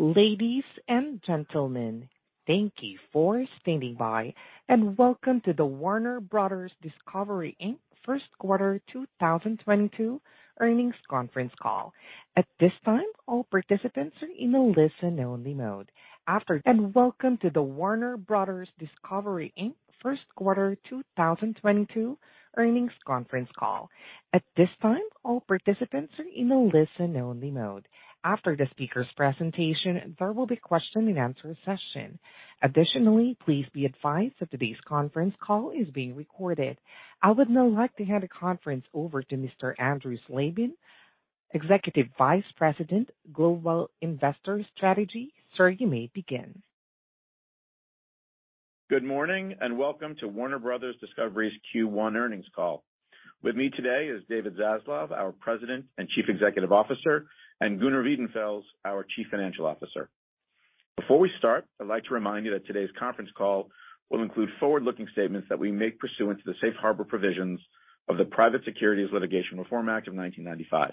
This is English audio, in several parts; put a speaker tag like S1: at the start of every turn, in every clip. S1: Ladies and gentlemen, thank you for standing by. Welcome to the Warner Bros. Discovery, Inc. First Quarter 2022 earnings conference call. At this time, all participants are in a listen-only mode. After the speaker's presentation, there will be a question and answer session. Additionally, please be advised that today's conference call is being recorded. I would now like to hand the conference over to Mr. Andrew Slabin, Executive Vice President, Global Investor Strategy. Sir, you may begin.
S2: Good morning and welcome to Warner Bros. Discovery's Q1 earnings call. With me today is David Zaslav, our President and Chief Executive Officer, and Gunnar Wiedenfels, our Chief Financial Officer. Before we start, I'd like to remind you that today's conference call will include forward-looking statements that we make pursuant to the safe harbor provisions of the Private Securities Litigation Reform Act of 1995.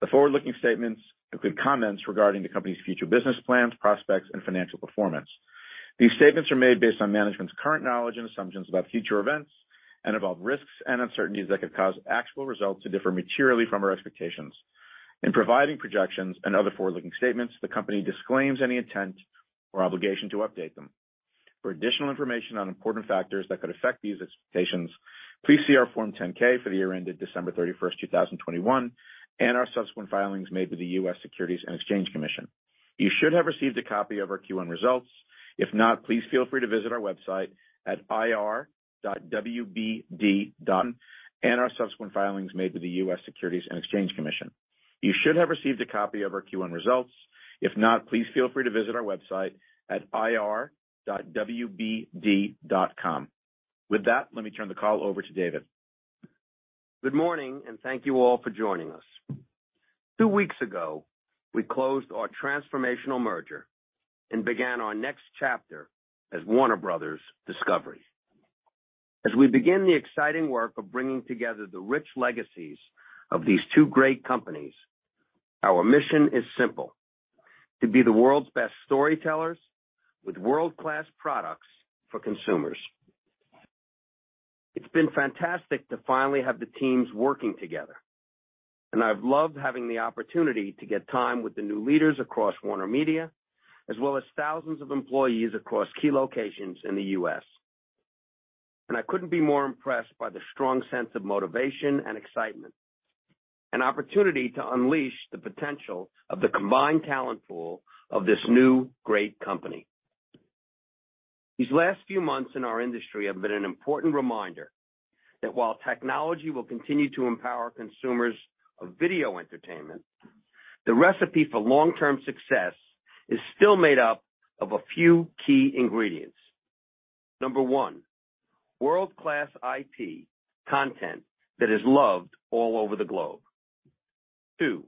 S2: The forward-looking statements include comments regarding the company's future business plans, prospects, and financial performance. These statements are made based on management's current knowledge and assumptions about future events and involve risks and uncertainties that could cause actual results to differ materially from our expectations. In providing projections and other forward-looking statements, the company disclaims any intent or obligation to update them. For additional information on important factors that could affect these expectations, please see our Form 10-K for the year ended December 31, 2021 and our subsequent filings made with the U.S. Securities and Exchange Commission. You should have received a copy of our Q1 results. If not, please feel free to visit our website at ir.wbd.com. With that, let me turn the call over to David.
S3: Good morning, and thank you all for joining us. Two weeks ago, we closed our transformational merger and began our next chapter as Warner Bros. Discovery. As we begin the exciting work of bringing together the rich legacies of these two great companies, our mission is simple: To be the world's best storytellers with world-class products for consumers. It's been fantastic to finally have the teams working together, and I've loved having the opportunity to get time with the new leaders across WarnerMedia, as well as thousands of employees across key locations in the U.S. I couldn't be more impressed by the strong sense of motivation and excitement and opportunity to unleash the potential of the combined talent pool of this new great company. These last few months in our industry have been an important reminder that while technology will continue to empower consumers of video entertainment, the recipe for long-term success is still made up of a few key ingredients. Number one, world-class IP content that is loved all over the globe. Two,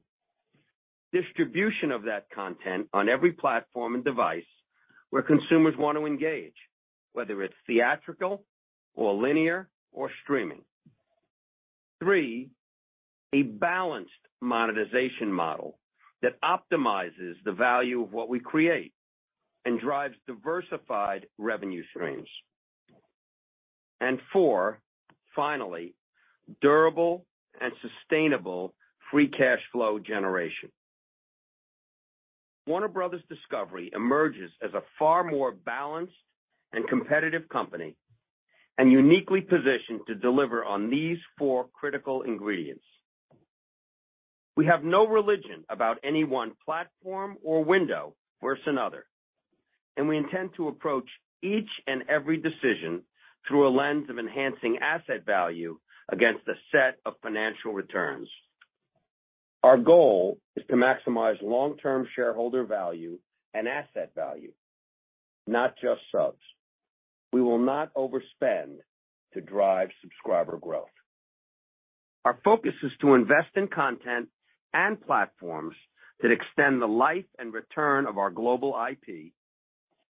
S3: distribution of that content on every platform and device where consumers want to engage, whether it's theatrical or linear or streaming. Three, a balanced monetization model that optimizes the value of what we create and drives diversified revenue streams. Four, finally, durable and sustainable free cash flow generation. Warner Bros. Discovery emerges as a far more balanced and competitive company and uniquely positioned to deliver on these four critical ingredients. We have no religion about any one platform or window worse than other, and we intend to approach each and every decision through a lens of enhancing asset value against a set of financial returns. Our goal is to maximize long-term shareholder value and asset value, not just subs. We will not overspend to drive subscriber growth. Our focus is to invest in content and platforms that extend the life and return of our global IP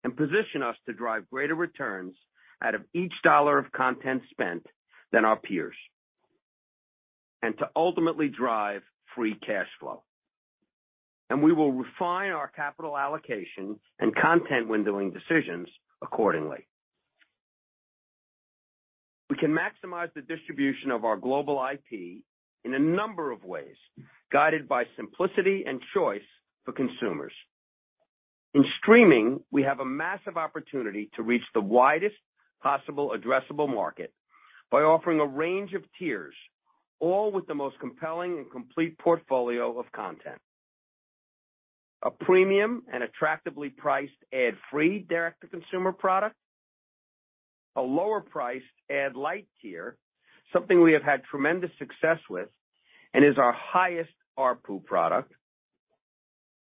S3: and position us to drive greater returns out of each dollar of content spent than our peers, and to ultimately drive free cash flow. We will refine our capital allocation and content windowing decisions accordingly. We can maximize the distribution of our global IP in a number of ways, guided by simplicity and choice for consumers. In streaming, we have a massive opportunity to reach the widest possible addressable market by offering a range of tiers, all with the most compelling and complete portfolio of content. A premium and attractively priced ad-free direct-to-consumer product, a lower priced ad light tier, something we have had tremendous success with and is our highest ARPU product.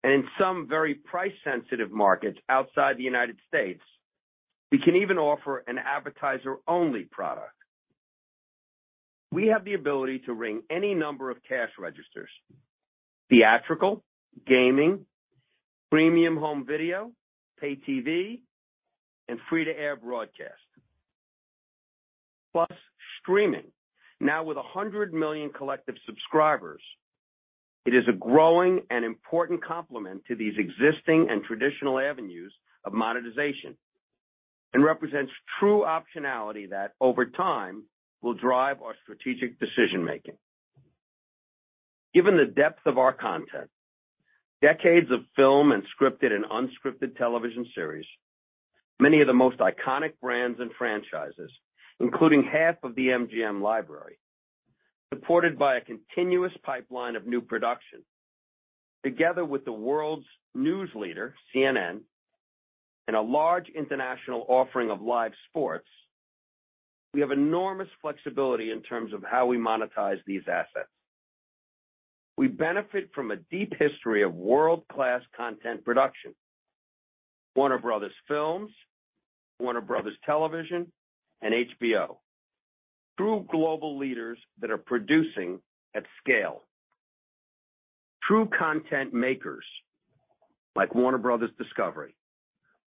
S3: In some very price-sensitive markets outside the United States, we can even offer an advertiser-only product. We have the ability to ring any number of cash registers, theatrical, gaming, premium home video, pay TV, and free-to-air broadcast, plus streaming. Now with 100 million collective subscribers, it is a growing and important complement to these existing and traditional avenues of monetization and represents true optionality that over time will drive our strategic decision-making. Given the depth of our content, decades of film and scripted and unscripted television series, many of the most iconic brands and franchises, including half of the MGM library, supported by a continuous pipeline of new production together with the world's news leader, CNN, and a large international offering of live sports. We have enormous flexibility in terms of how we monetize these assets. We benefit from a deep history of world-class content production, Warner Bros. Films, Warner Bros. Television, and HBO, true global leaders that are producing at scale, true content makers like Warner Bros. Discovery,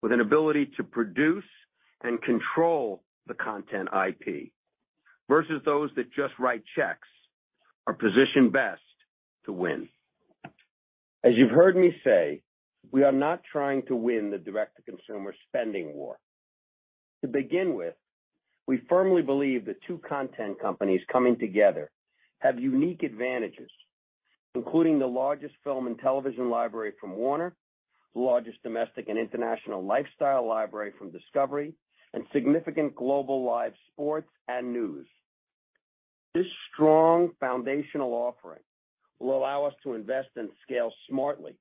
S3: with an ability to produce and control the content IP versus those that just write checks, are positioned best to win. As you've heard me say, we are not trying to win the direct-to-consumer spending war. To begin with, we firmly believe that two content companies coming together have unique advantages, including the largest film and television library from Warner, the largest domestic and international lifestyle library from Discovery, and significant global live sports and news. This strong foundational offering will allow us to invest and scale smartly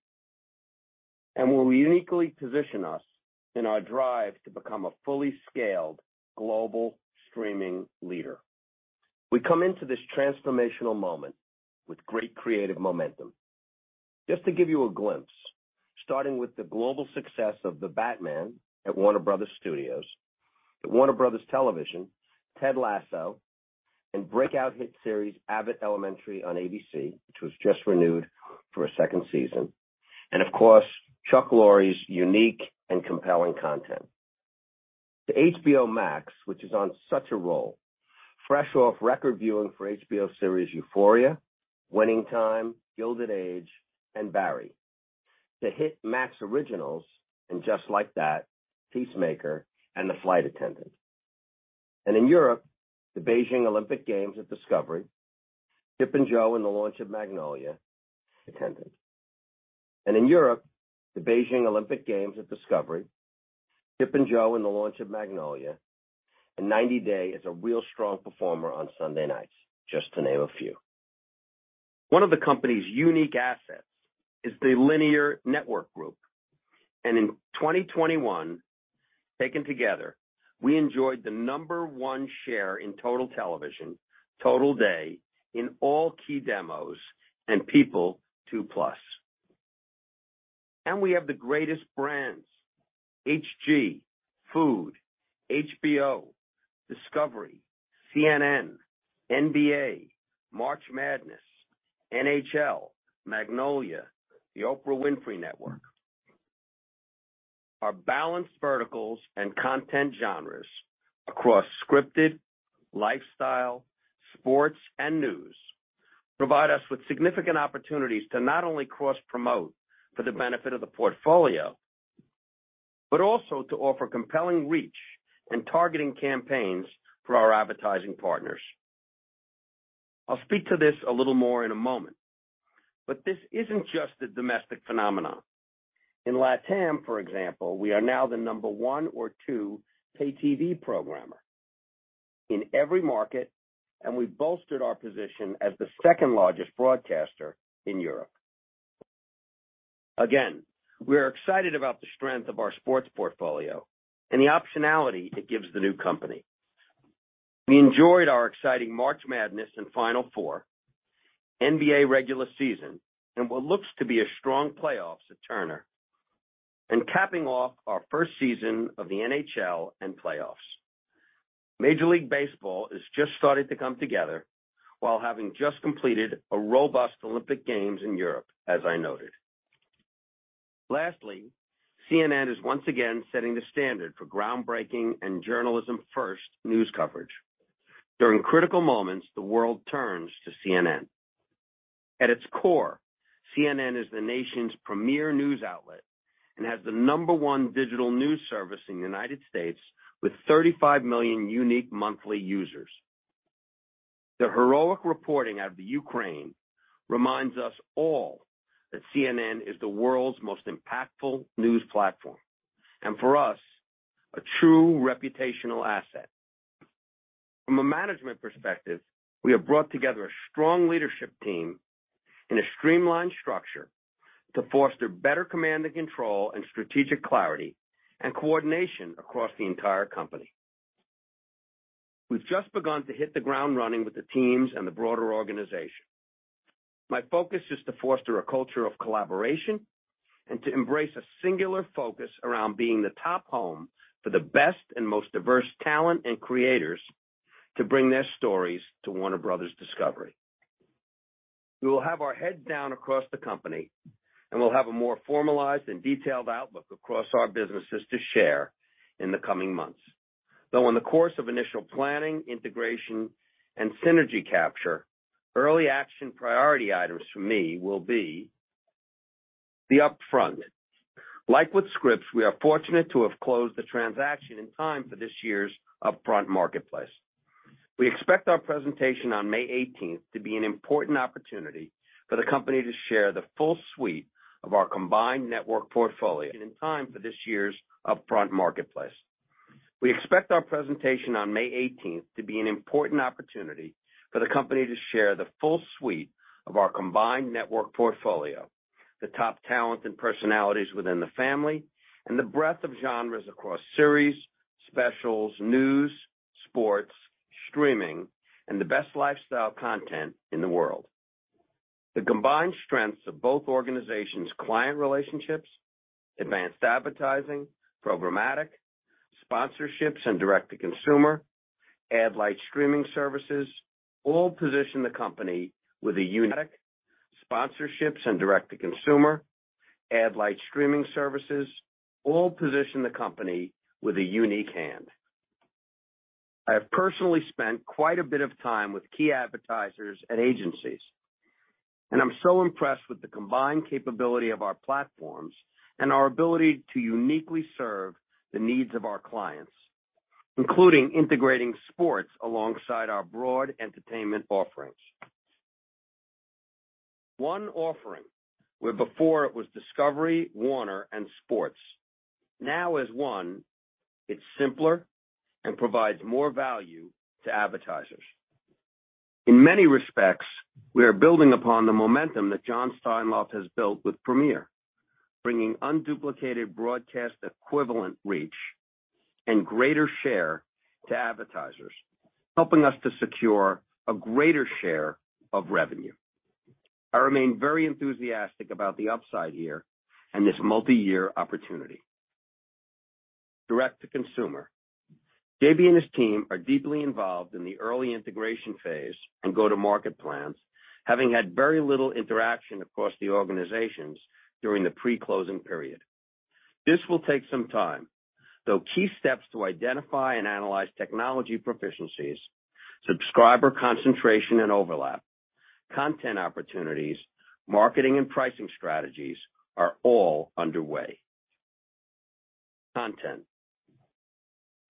S3: and will uniquely position us in our drive to become a fully scaled global streaming leader. We come into this transformational moment with great creative momentum. Just to give you a glimpse, starting with the global success of The Batman at Warner Bros. Studios. At Warner Bros. Television, Ted Lasso and breakout hit series Abbott Elementary on ABC, which was just renewed for a second season. Of course, Chuck Lorre's unique and compelling content. To HBO Max, which is on such a roll, fresh off record viewing for HBO series Euphoria, Winning Time, The Gilded Age, and Barry. The hit Max originals And Just Like That, Peacemaker, and The Flight Attendant. In Europe, the Beijing Olympic Games on Discovery, Chip and Jo in the launch of Magnolia Network, and 90 Day is a real strong performer on Sunday nights, just to name a few. One of the company's unique assets is the linear network group. In 2021, taken together, we enjoyed the number one share in total television, total day in all key demos and P2+. We have the greatest brands, HGTV, Food Network, HBO, Discovery, CNN, NBA, March Madness, NHL, Magnolia, The Oprah Winfrey Network. Our balanced verticals and content genres across scripted, lifestyle, sports, and news provide us with significant opportunities to not only cross-promote for the benefit of the portfolio, but also to offer compelling reach in targeting campaigns for our advertising partners. I'll speak to this a little more in a moment, but this isn't just a domestic phenomenon. In LATAM, for example, we are now the number one or two pay TV programmer in every market, and we bolstered our position as the second-largest broadcaster in Europe. Again, we are excited about the strength of our sports portfolio and the optionality it gives the new company. We enjoyed our exciting March Madness and Final Four NBA regular season and what looks to be a strong playoffs at Turner and capping off our first season of the NHL and playoffs. Major League Baseball has just started to come together while having just completed a robust Olympic Games in Europe, as I noted. Lastly, CNN is once again setting the standard for groundbreaking and journalism-first news coverage. During critical moments, the world turns to CNN. At its core, CNN is the nation's premier news outlet and has the number one digital news service in the United States with 35 million unique monthly users. The heroic reporting out of the Ukraine reminds us all that CNN is the world's most impactful news platform, and for us, a true reputational asset. From a management perspective, we have brought together a strong leadership team in a streamlined structure to foster better command and control and strategic clarity and coordination across the entire company. We've just begun to hit the ground running with the teams and the broader organization. My focus is to foster a culture of collaboration and to embrace a singular focus around being the top home for the best and most diverse talent and creators to bring their stories to Warner Bros. Discovery. We will have our heads down across the company, and we'll have a more formalized and detailed outlook across our businesses to share in the coming months. Though in the course of initial planning, integration, and synergy capture, early action priority items for me will be the upfront. Like with Scripps, we are fortunate to have closed the transaction in time for this year's upfront marketplace. We expect our presentation on May 18th to be an important opportunity for the company to share the full suite of our combined network portfolio and in time for this year's upfront marketplace. We expect our presentation on May 18th to be an important opportunity for the company to share the full suite of our combined network portfolio, the top talent and personalities within the family, and the breadth of genres across series, specials, news, sports, streaming, and the best lifestyle content in the world. The combined strengths of both organizations' client relationships, advanced advertising, programmatic, sponsorships and direct-to-consumer, ad light streaming services all position the company with a unique hand. I have personally spent quite a bit of time with key advertisers and agencies, and I'm so impressed with the combined capability of our platforms and our ability to uniquely serve the needs of our clients, including integrating sports alongside our broad entertainment offerings. One offering, where before it was Discovery, Warner, and Sports, now as one, it's simpler and provides more value to advertisers. In many respects, we are building upon the momentum that Jon Steinlauf has built with Premier, bringing unduplicated broadcast equivalent reach and greater share to advertisers, helping us to secure a greater share of revenue. I remain very enthusiastic about the upside here and this multi-year opportunity. Direct-to-consumer. JB and his team are deeply involved in the early integration phase and go-to-market plans, having had very little interaction across the organizations during the pre-closing period. This will take some time, though key steps to identify and analyze technology proficiencies, subscriber concentration and overlap, content opportunities, marketing and pricing strategies are all underway. Content.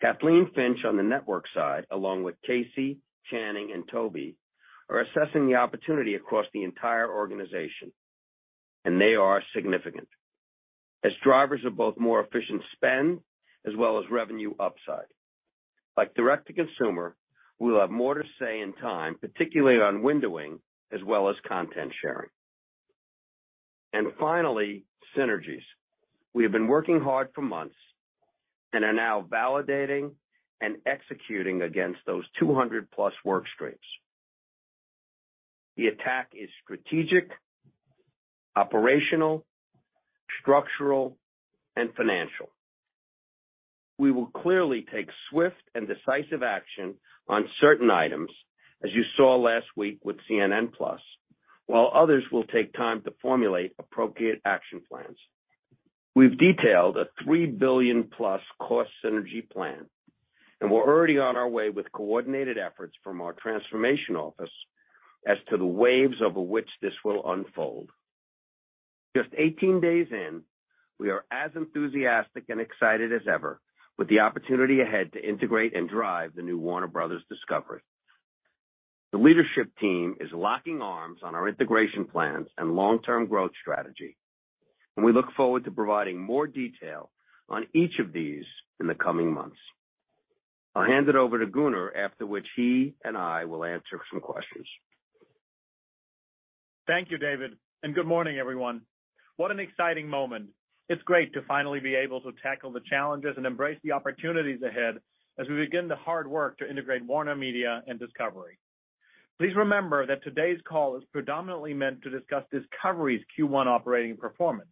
S3: Kathleen Finch on the network side, along with Casey, Channing, and Toby, are assessing the opportunity across the entire organization, and they are significant as drivers of both more efficient spend as well as revenue upside. Like direct to consumer, we'll have more to say in time, particularly on windowing as well as content sharing. Finally, synergies. We have been working hard for months and are now validating and executing against those 200+ work streams. The attack is strategic, operational, structural, and financial. We will clearly take swift and decisive action on certain items, as you saw last week with CNN+, while others will take time to formulate appropriate action plans. We've detailed a $3 billion+ cost synergy plan, and we're already on our way with coordinated efforts from our transformation office as to the waves over which this will unfold. Just 18 days in, we are as enthusiastic and excited as ever with the opportunity ahead to integrate and drive the new Warner Bros. Discovery. The leadership team is locking arms on our integration plans and long-term growth strategy, and we look forward to providing more detail on each of these in the coming months. I'll hand it over to Gunnar, after which he and I will answer some questions.
S4: Thank you, David, and good morning, everyone. What an exciting moment. It's great to finally be able to tackle the challenges and embrace the opportunities ahead as we begin the hard work to integrate WarnerMedia and Discovery. Please remember that today's call is predominantly meant to discuss Discovery's Q1 operating performance.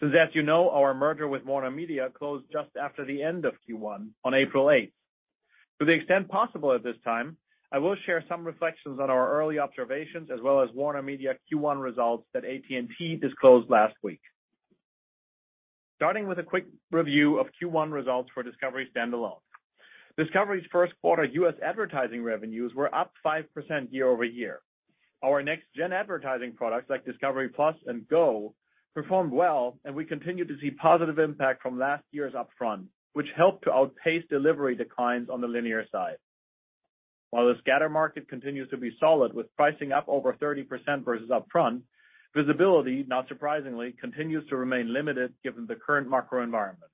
S4: Since as you know, our merger with WarnerMedia closed just after the end of Q1 on April 8. To the extent possible at this time, I will share some reflections on our early observations as well as WarnerMedia Q1 results that AT&T disclosed last week. Starting with a quick review of Q1 results for Discovery standalone. Discovery's first quarter U.S. advertising revenues were up 5% year-over-year. Our next-gen advertising products like Discovery+ and Discovery GO performed well, and we continued to see positive impact from last year's upfront, which helped to outpace delivery declines on the linear side. While the scatter market continues to be solid with pricing up over 30% versus upfront, visibility, not surprisingly, continues to remain limited given the current macro environment.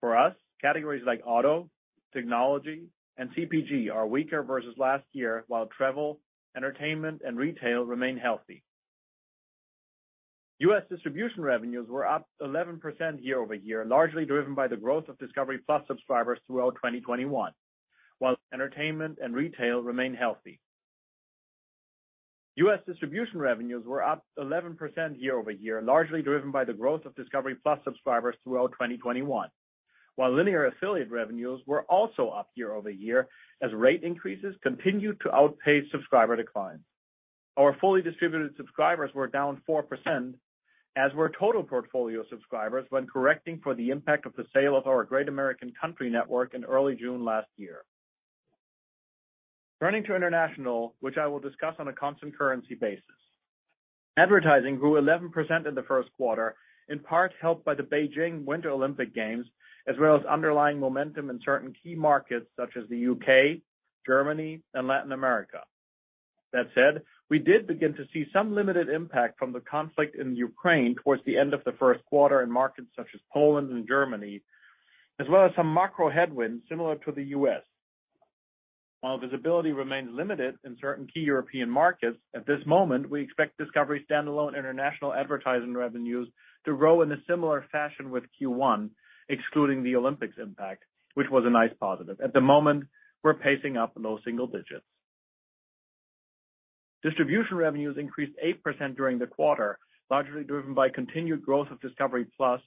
S4: For us, categories like auto, technology, and CPG are weaker versus last year, while travel, entertainment, and retail remain healthy. U.S. distribution revenues were up 11% year-over-year, largely driven by the growth of Discovery+ subscribers throughout 2021. Linear affiliate revenues were also up year-over-year as rate increases continued to outpace subscriber declines. Our fully distributed subscribers were down 4% as were total portfolio subscribers when correcting for the impact of the sale of our Great American Country network in early June last year. Turning to international, which I will discuss on a constant currency basis. Advertising grew 11% in the first quarter, in part helped by the Beijing Winter Olympic Games, as well as underlying momentum in certain key markets such as the U.K., Germany, and Latin America. That said, we did begin to see some limited impact from the conflict in Ukraine towards the end of the first quarter in markets such as Poland and Germany, as well as some macro headwinds similar to the U.S. While visibility remains limited in certain key European markets, at this moment, we expect Discovery standalone international advertising revenues to grow in a similar fashion with Q1, excluding the Olympics impact, which was a nice positive. At the moment, we're pacing up in those single digits. Distribution revenues increased 8% during the quarter, largely driven by continued growth of Discovery Plus,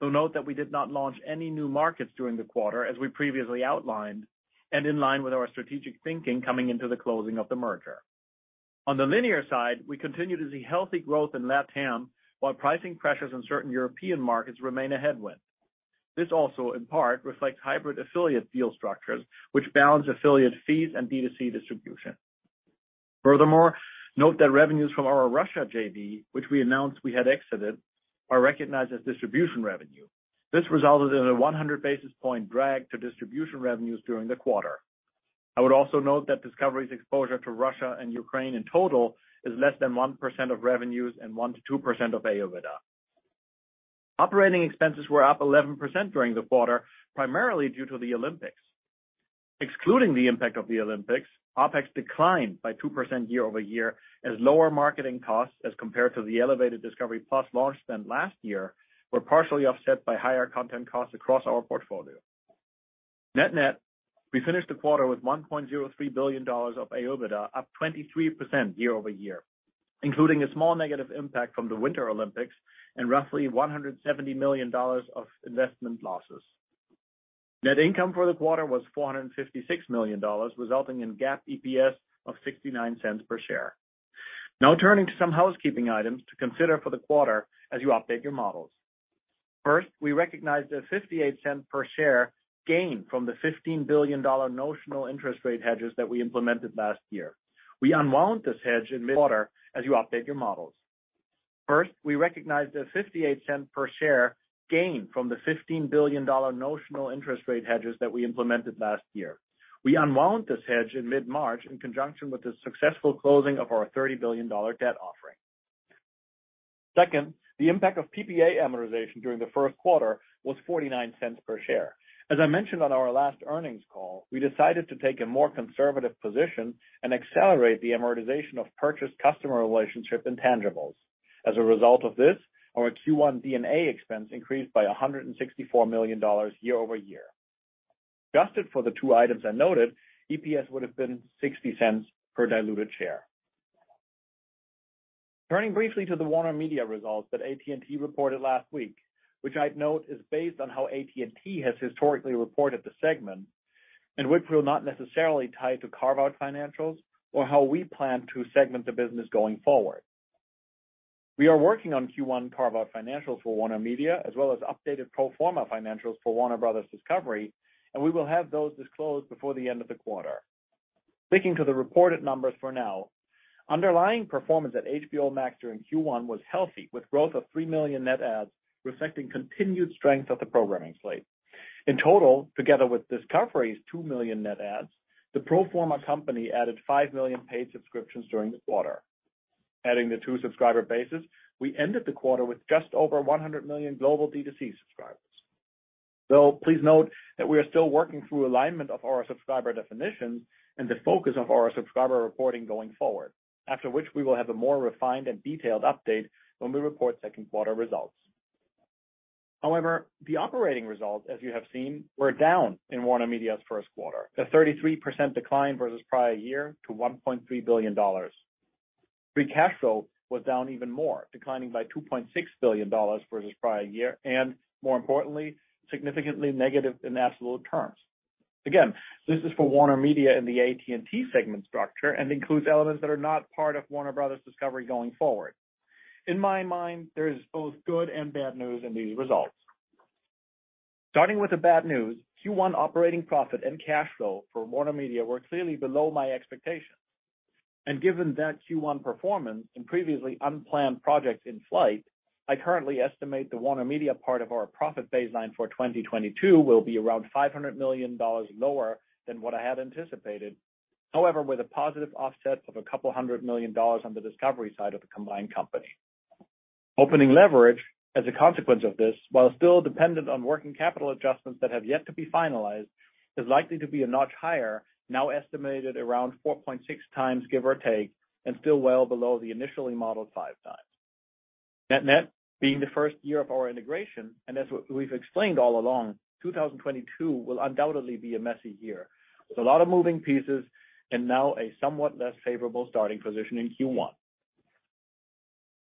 S4: though note that we did not launch any new markets during the quarter as we previously outlined and in line with our strategic thinking coming into the closing of the merger. On the linear side, we continue to see healthy growth in LatAm, while pricing pressures in certain European markets remain a headwind. This also, in part, reflects hybrid affiliate deal structures which balance affiliate fees and B2C distribution. Furthermore, note that revenues from our Russia JV, which we announced we had exited, are recognized as distribution revenue. This resulted in a 100 basis point drag to distribution revenues during the quarter. I would also note that Discovery's exposure to Russia and Ukraine in total is less than 1% of revenues and 1%-2% of AOIBDA. Operating expenses were up 11% during the quarter, primarily due to the Olympics. Excluding the impact of the Olympics, OPEX declined by 2% year-over-year as lower marketing costs as compared to the elevated discovery+ launch spend last year were partially offset by higher content costs across our portfolio. Net net, we finished the quarter with $1.03 billion of AOIBDA, up 23% year-over-year, including a small negative impact from the Winter Olympics and roughly $170 million of investment losses. Net income for the quarter was $456 million, resulting in GAAP EPS of $0.69 per share. Now turning to some housekeeping items to consider for the quarter as you update your models. First, we recognized a $0.58 cents per share gain from the $15 billion notional interest rate hedges that we implemented last year. We unwound this hedge in mid-March in conjunction with the successful closing of our $30 billion debt offering. Second, the impact of PPA amortization during the first quarter was $0.49 per share. As I mentioned on our last earnings call, we decided to take a more conservative position and accelerate the amortization of purchased customer relationship intangibles. As a result of this, our Q1 D&A expense increased by $164 million year over year. Adjusted for the two items I noted, EPS would have been $0.60 per diluted share. Turning briefly to the WarnerMedia results that AT&T reported last week, which I'd note is based on how AT&T has historically reported the segment and which will not necessarily tie to carve-out financials or how we plan to segment the business going forward. We are working on Q1 carve-out financials for WarnerMedia, as well as updated pro forma financials for Warner Bros. Discovery, and we will have those disclosed before the end of the quarter. Sticking to the reported numbers for now, underlying performance at HBO Max during Q1 was healthy, with growth of 3 million net adds reflecting continued strength of the programming slate. In total, together with Discovery's 2 million net adds, the pro forma company added 5 million paid subscriptions during the quarter. Adding the two subscriber bases, we ended the quarter with just over 100 million global D2C subscribers. Though please note that we are still working through alignment of our subscriber definitions and the focus of our subscriber reporting going forward, after which we will have a more refined and detailed update when we report second quarter results. However, the operating results, as you have seen, were down in WarnerMedia's first quarter. The 33% decline versus prior year to $1.3 billion. Free cash flow was down even more, declining by $2.6 billion versus prior year, and more importantly, significantly negative in absolute terms. Again, this is for WarnerMedia in the AT&T segment structure and includes elements that are not part of Warner Bros. Discovery going forward. In my mind, there is both good and bad news in these results. Starting with the bad news, Q1 operating profit and cash flow for WarnerMedia were clearly below my expectations. Given that Q1 performance and previously unplanned projects in flight, I currently estimate the WarnerMedia part of our profit baseline for 2022 will be around $500 million lower than what I had anticipated. However, with a positive offset of a couple hundred million dollars on the Discovery side of the combined company. Opening leverage as a consequence of this, while still dependent on working capital adjustments that have yet to be finalized, is likely to be a notch higher, now estimated around 4.6x, give or take, and still well below the initially modeled 5x. Net net, being the first year of our integration, and as we've explained all along, 2022 will undoubtedly be a messy year with a lot of moving pieces and now a somewhat less favorable starting position in Q1.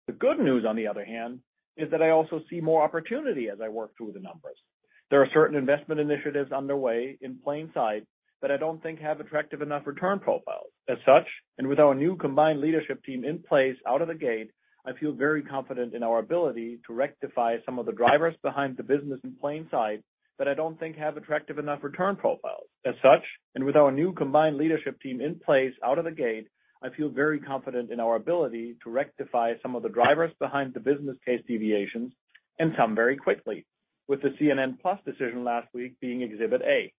S4: The good news, on the other hand, is that I also see more opportunity as I work through the numbers. There are certain investment initiatives underway in plain sight that I don't think have attractive enough return profiles. As such, with our new combined leadership team in place out of the gate, I feel very confident in our ability to rectify some of the drivers behind the business case deviations and some very quickly, with the CNN+ decision last week being exhibit A.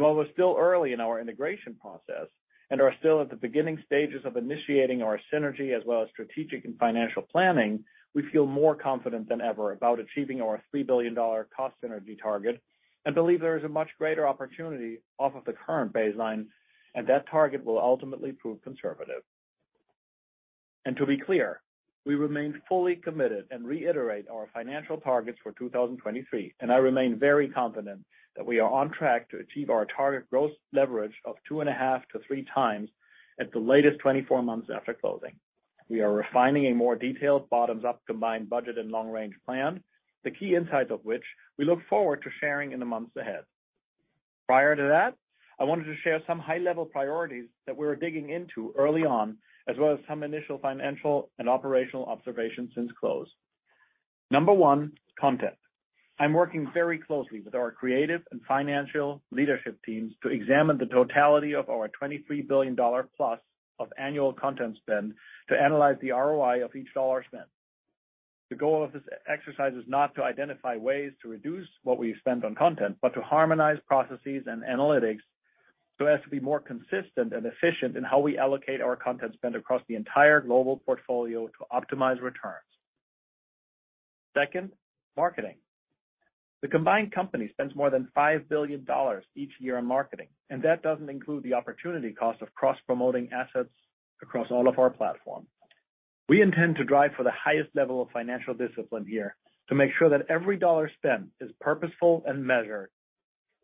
S4: While we're still early in our integration process and are still at the beginning stages of initiating our synergy as well as strategic and financial planning, we feel more confident than ever about achieving our $3 billion cost synergy target and believe there is a much greater opportunity off of the current baseline, and that target will ultimately prove conservative. To be clear, we remain fully committed and reiterate our financial targets for 2023, and I remain very confident that we are on track to achieve our target gross leverage of 2.5x-3x at the latest 24 months after closing. We are refining a more detailed bottoms-up combined budget and long-range plan, the key insights of which we look forward to sharing in the months ahead. Prior to that, I wanted to share some high-level priorities that we're digging into early on, as well as some initial financial and operational observations since close. Number one, content. I'm working very closely with our creative and financial leadership teams to examine the totality of our $23 billion+ of annual content spend to analyze the ROI of each dollar spent. The goal of this exercise is not to identify ways to reduce what we spend on content, but to harmonize processes and analytics so as to be more consistent and efficient in how we allocate our content spend across the entire global portfolio to optimize returns. Second, marketing. The combined company spends more than $5 billion each year on marketing, and that doesn't include the opportunity cost of cross-promoting assets across all of our platforms. We intend to drive for the highest level of financial discipline here to make sure that every dollar spent is purposeful and measured.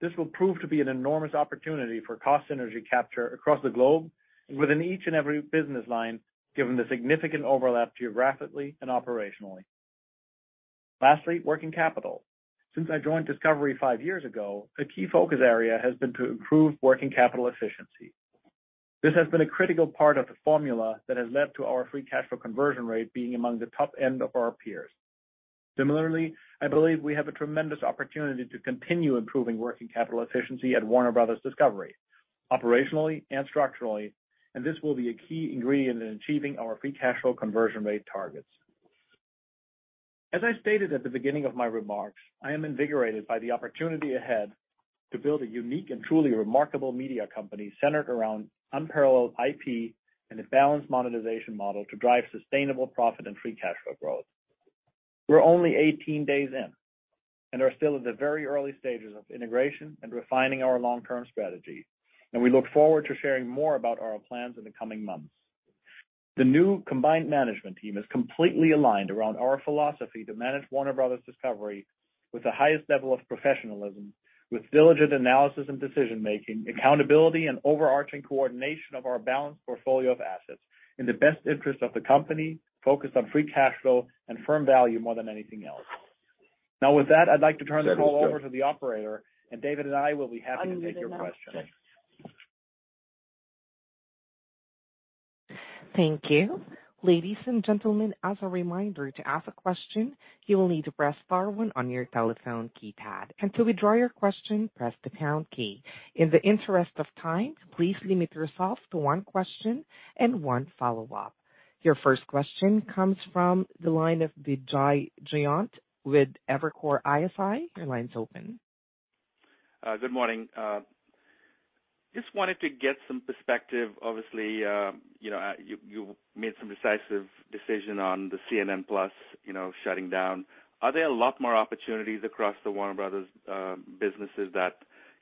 S4: This will prove to be an enormous opportunity for cost synergy capture across the globe and within each and every business line, given the significant overlap geographically and operationally. Lastly, working capital. Since I joined Discovery five years ago, a key focus area has been to improve working capital efficiency. This has been a critical part of the formula that has led to our free cash flow conversion rate being among the top end of our peers. Similarly, I believe we have a tremendous opportunity to continue improving working capital efficiency at Warner Bros. Discovery, operationally and structurally, and this will be a key ingredient in achieving our free cash flow conversion rate targets. As I stated at the beginning of my remarks, I am invigorated by the opportunity ahead to build a unique and truly remarkable media company centered around unparalleled IP and a balanced monetization model to drive sustainable profit and free cash flow growth. We're only 18 days in and are still at the very early stages of integration and refining our long-term strategy, and we look forward to sharing more about our plans in the coming months. The new combined management team is completely aligned around our philosophy to manage Warner Bros. Discovery with the highest level of professionalism, with diligent analysis and decision-making, accountability, and overarching coordination of our balanced portfolio of assets in the best interest of the company, focused on free cash flow and firm value more than anything else. Now, with that, I'd like to turn the call over to the operator, and David and I will be happy to take your questions.
S1: Thank you. Ladies and gentlemen, as a reminder, to ask a question, you will need to press star one on your telephone keypad. To withdraw your question, press the pound key. In the interest of time, please limit yourself to one question and one follow-up. Your first question comes from the line of Vijay Jayant with Evercore ISI. Your line's open.
S5: Good morning. Just wanted to get some perspective. Obviously, you know, you made some decisive decision on the CNN+, you know, shutting down. Are there a lot more opportunities across the Warner Bros. businesses that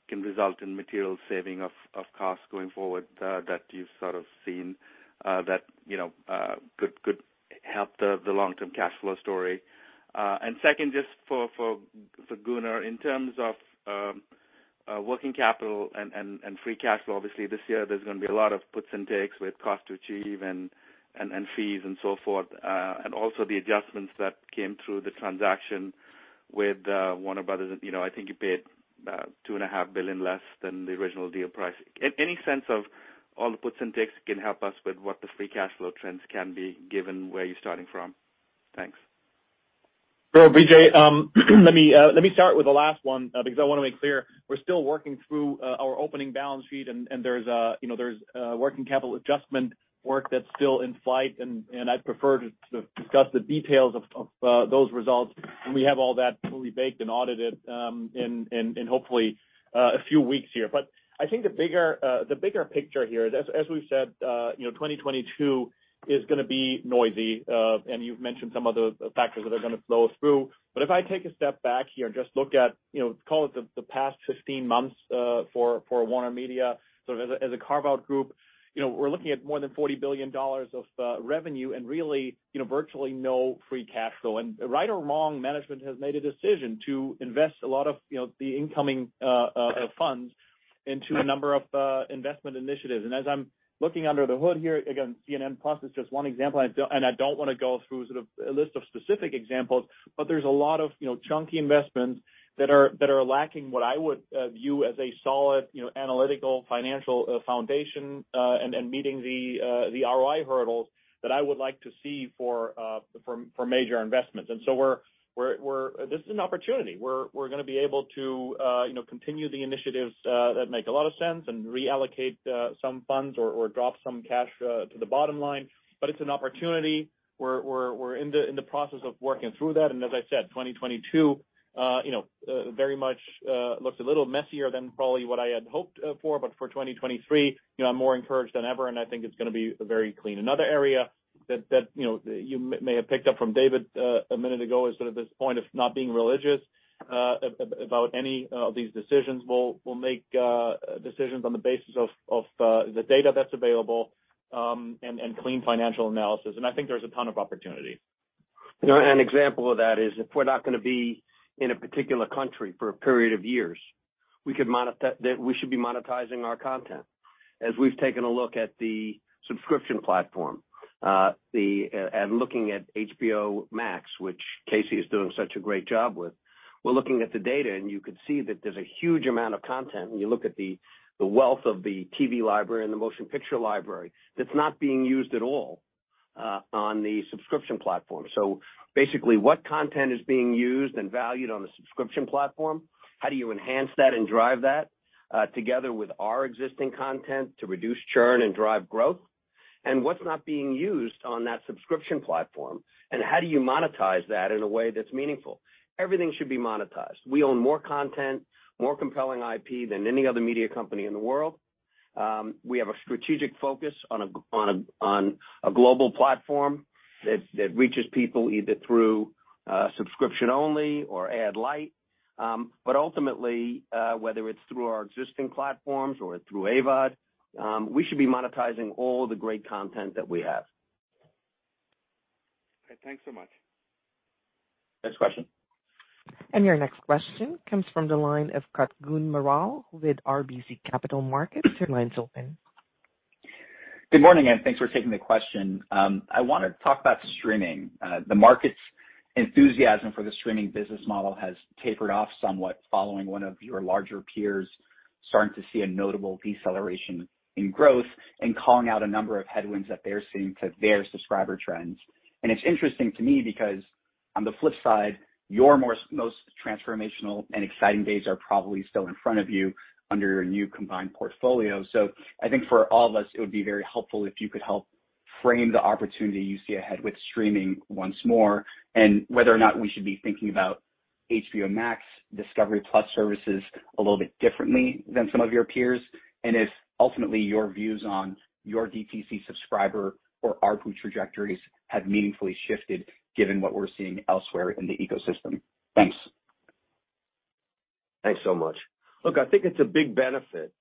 S5: can result in material saving of costs going forward, that you've sort of seen, that you know could help the long-term cash flow story? Second, just for Gunnar, in terms of working capital and free cash flow. Obviously, this year there's gonna be a lot of puts and takes with cost to achieve and fees and so forth, and also the adjustments that came through the transaction with Warner Bros. You know, I think you paid $2.5 billion less than the original deal price. Any sense of all the puts and takes can help us with what the free cash flow trends can be given where you're starting from? Thanks.
S4: Sure, Vijay. Let me start with the last one, because I wanna make clear we're still working through our opening balance sheet and there's you know working capital adjustment work that's still in flight and I'd prefer to discuss the details of those results when we have all that fully baked and audited in hopefully a few weeks here. I think the bigger picture here is as we've said you know 2022 is gonna be noisy and you've mentioned some of the factors that are gonna flow through. If I take a step back here and just look at, you know, call it the past 15 months for WarnerMedia, sort of as a carve-out group, you know, we're looking at more than $40 billion of revenue and really, you know, virtually no free cash flow. Right or wrong, management has made a decision to invest a lot of, you know, the incoming funds. Into a number of investment initiatives. As I'm looking under the hood here, again, CNN+ is just one example, and I don't wanna go through sort of a list of specific examples, but there's a lot of, you know, chunky investments that are lacking what I would view as a solid, you know, analytical, financial foundation, and meeting the ROI hurdles that I would like to see for major investments. This is an opportunity. We're gonna be able to, you know, continue the initiatives that make a lot of sense and reallocate some funds or drop some cash to the bottom line. It's an opportunity. We're in the process of working through that. As I said, 2022, you know, very much, looks a little messier than probably what I had hoped for. For 2023, you know, I'm more encouraged than ever, and I think it's gonna be very clean. Another area that, you know, you may have picked up from David, a minute ago is sort of this point of not being religious about any of these decisions. We'll make decisions on the basis of the data that's available, and clean financial analysis. I think there's a ton of opportunity.
S3: You know, an example of that is if we're not gonna be in a particular country for a period of years, then we should be monetizing our content. As we've taken a look at the subscription platform and looking at HBO Max, which Casey is doing such a great job with, we're looking at the data, and you could see that there's a huge amount of content when you look at the wealth of the TV library and the motion picture library that's not being used at all on the subscription platform. Basically, what content is being used and valued on the subscription platform? How do you enhance that and drive that together with our existing content to reduce churn and drive growth? What's not being used on that subscription platform, and how do you monetize that in a way that's meaningful? Everything should be monetized. We own more content, more compelling IP than any other media company in the world. We have a strategic focus on a global platform that reaches people either through subscription only or ad light. But ultimately, whether it's through our existing platforms or through AVOD, we should be monetizing all the great content that we have.
S5: All right. Thanks so much.
S3: Next question.
S1: Your next question comes from the line of Kutgun Maral with RBC Capital Markets. Your line's open.
S6: Good morning, and thanks for taking the question. I wanna talk about streaming. The market's enthusiasm for the streaming business model has tapered off somewhat following one of your larger peers starting to see a notable deceleration in growth and calling out a number of headwinds that they're seeing to their subscriber trends. It's interesting to me because on the flip side, your most transformational and exciting days are probably still in front of you under your new combined portfolio. I think for all of us, it would be very helpful if you could help frame the opportunity you see ahead with streaming once more and whether or not we should be thinking about HBO Max discovery+ services a little bit differently than some of your peers. If ultimately your views on your DTC subscriber or ARPU trajectories have meaningfully shifted given what we're seeing elsewhere in the ecosystem? Thanks.
S3: Thanks so much. Look, I think it's a big benefit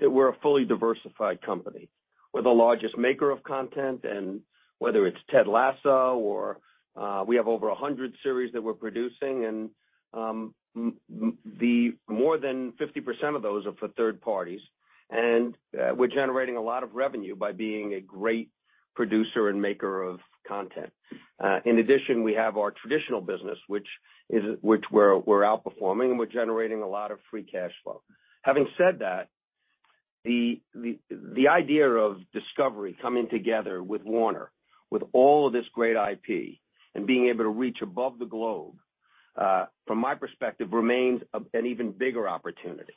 S3: that we're a fully diversified company. We're the largest maker of content, and whether it's Ted Lasso or we have over 100 series that we're producing. More than 50% of those are for third parties, and we're generating a lot of revenue by being a great producer and maker of content. In addition, we have our traditional business which we're outperforming, and we're generating a lot of free cash flow. Having said that, the idea of Discovery coming together with Warner, with all of this great IP and being able to reach across the globe, from my perspective, remains an even bigger opportunity.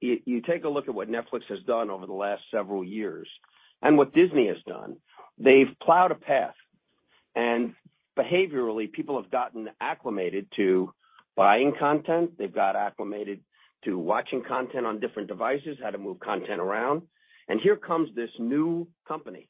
S3: You take a look at what Netflix has done over the last several years and what Disney has done. They've plowed a path, and behaviorally, people have gotten acclimated to buying content. They've got acclimated to watching content on different devices, how to move content around. Here comes this new company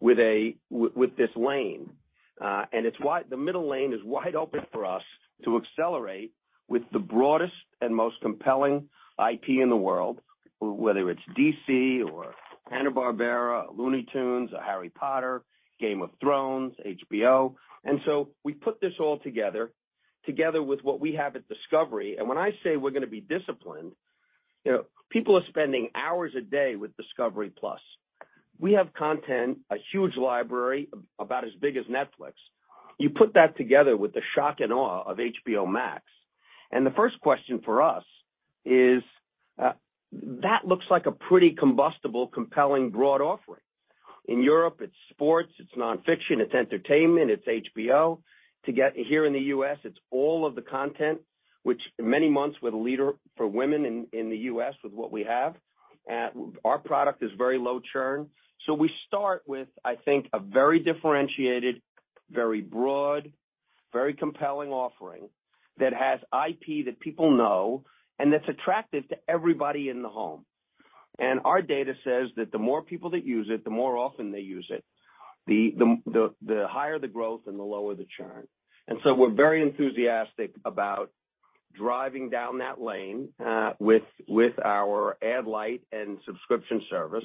S3: with this lane. The middle lane is wide open for us to accelerate with the broadest and most compelling IP in the world, whether it's DC or Hanna-Barbera, Looney Tunes, and Harry Potter, Game of Thrones, HBO. We put this all together with what we have at Discovery. When I say we're gonna be disciplined, you know, people are spending hours a day with discovery+. We have content, a huge library, about as big as Netflix. You put that together with the shock and awe of HBO Max. The first question for us is that looks like a pretty combustible, compelling, broad offering. In Europe, it's sports, it's nonfiction, it's entertainment, it's HBO. To get here in the U.S., it's all of the content which many months we're the leader for women in the U.S. with what we have. Our product is very low churn. We start with, I think, a very differentiated, very broad, very compelling offering that has IP that people know and that's attractive to everybody in the home. Our data says that the more people that use it, the more often they use it, the higher the growth and the lower the churn. We're very enthusiastic about driving down that lane with our ad light and subscription service.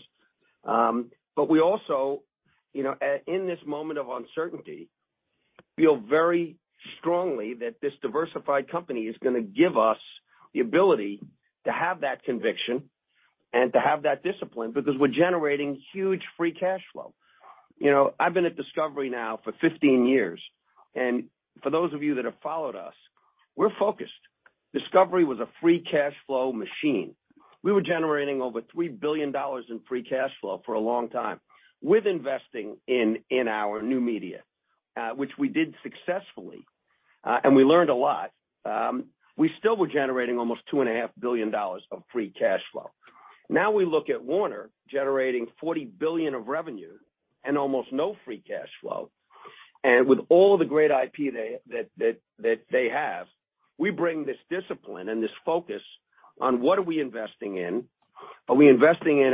S3: We also, you know, in this moment of uncertainty. Feel very strongly that this diversified company is gonna give us the ability to have that conviction and to have that discipline because we're generating huge free cash flow. You know, I've been at Discovery now for 15 years, and for those of you that have followed us, we're focused. Discovery was a free cash flow machine. We were generating over $3 billion in free cash flow for a long time with investing in our new media, which we did successfully, and we learned a lot. We still were generating almost $2.5 billion of free cash flow. Now we look at Warner generating $40 billion of revenue and almost no free cash flow. With all the great IP that they have, we bring this discipline and this focus on what are we investing in? Are we investing in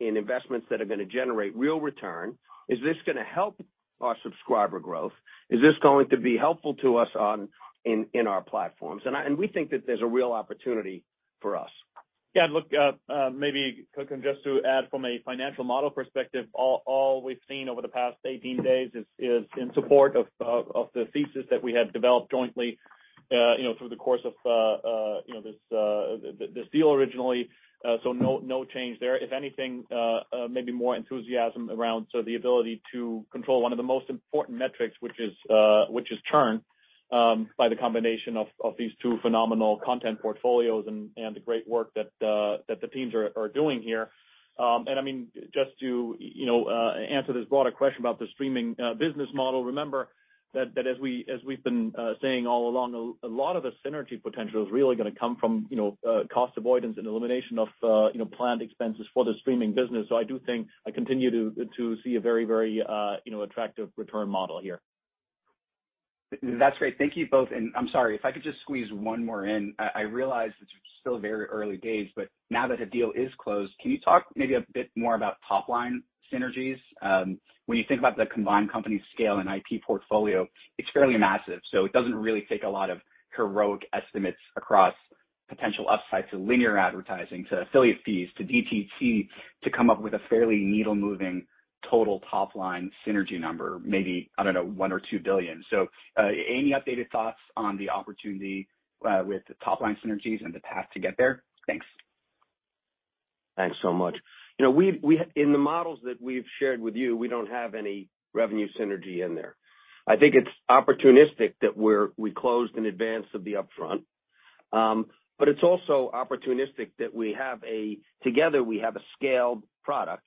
S3: investments that are gonna generate real return? Is this gonna help our subscriber growth? Is this going to be helpful to us in our platforms? We think that there's a real opportunity for us.
S4: Yeah, look, maybe, Kutgun, just to add from a financial model perspective, all we've seen over the past 18 days is in support of the thesis that we had developed jointly, you know, through the course of this deal originally. No change there. If anything, maybe more enthusiasm around sort of the ability to control one of the most important metrics, which is churn, by the combination of these two phenomenal content portfolios and the great work that the teams are doing here. I mean, just to, you know, answer this broader question about the streaming business model, remember that as we've been saying all along, a lot of the synergy potential is really gonna come from, you know, cost avoidance and elimination of, you know, planned expenses for the streaming business. I do think I continue to see a very, you know, attractive return model here.
S6: That's great. Thank you both. I'm sorry, if I could just squeeze one more in. I realize it's still very early days, but now that the deal is closed, can you talk maybe a bit more about top-line synergies? When you think about the combined company scale and IP portfolio, it's fairly massive. It doesn't really take a lot of heroic estimates across potential upside to linear advertising, to affiliate fees, to DTC to come up with a fairly needle-moving total top line synergy number, maybe, I don't know, $1 billion or $2 billion. Any updated thoughts on the opportunity with the top line synergies and the path to get there? Thanks.
S3: Thanks so much. You know, in the models that we've shared with you, we don't have any revenue synergy in there. I think it's opportunistic that we closed in advance of the upfront. It's also opportunistic that together we have a scaled product,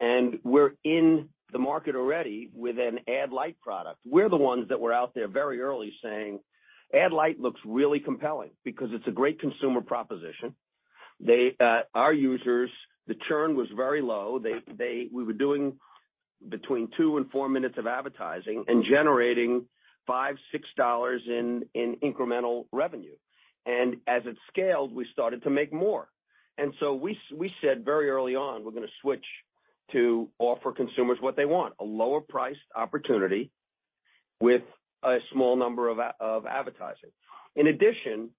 S3: and we're in the market already with an ad light product. We're the ones that were out there very early saying ad light looks really compelling because it's a great consumer proposition. They, our users, the churn was very low. We were doing between two and four minutes of advertising and generating $5-$6 in incremental revenue. As it scaled, we started to make more. We said very early on, we're gonna switch to offer consumers what they want, a lower priced opportunity with a small number of advertising. In addition,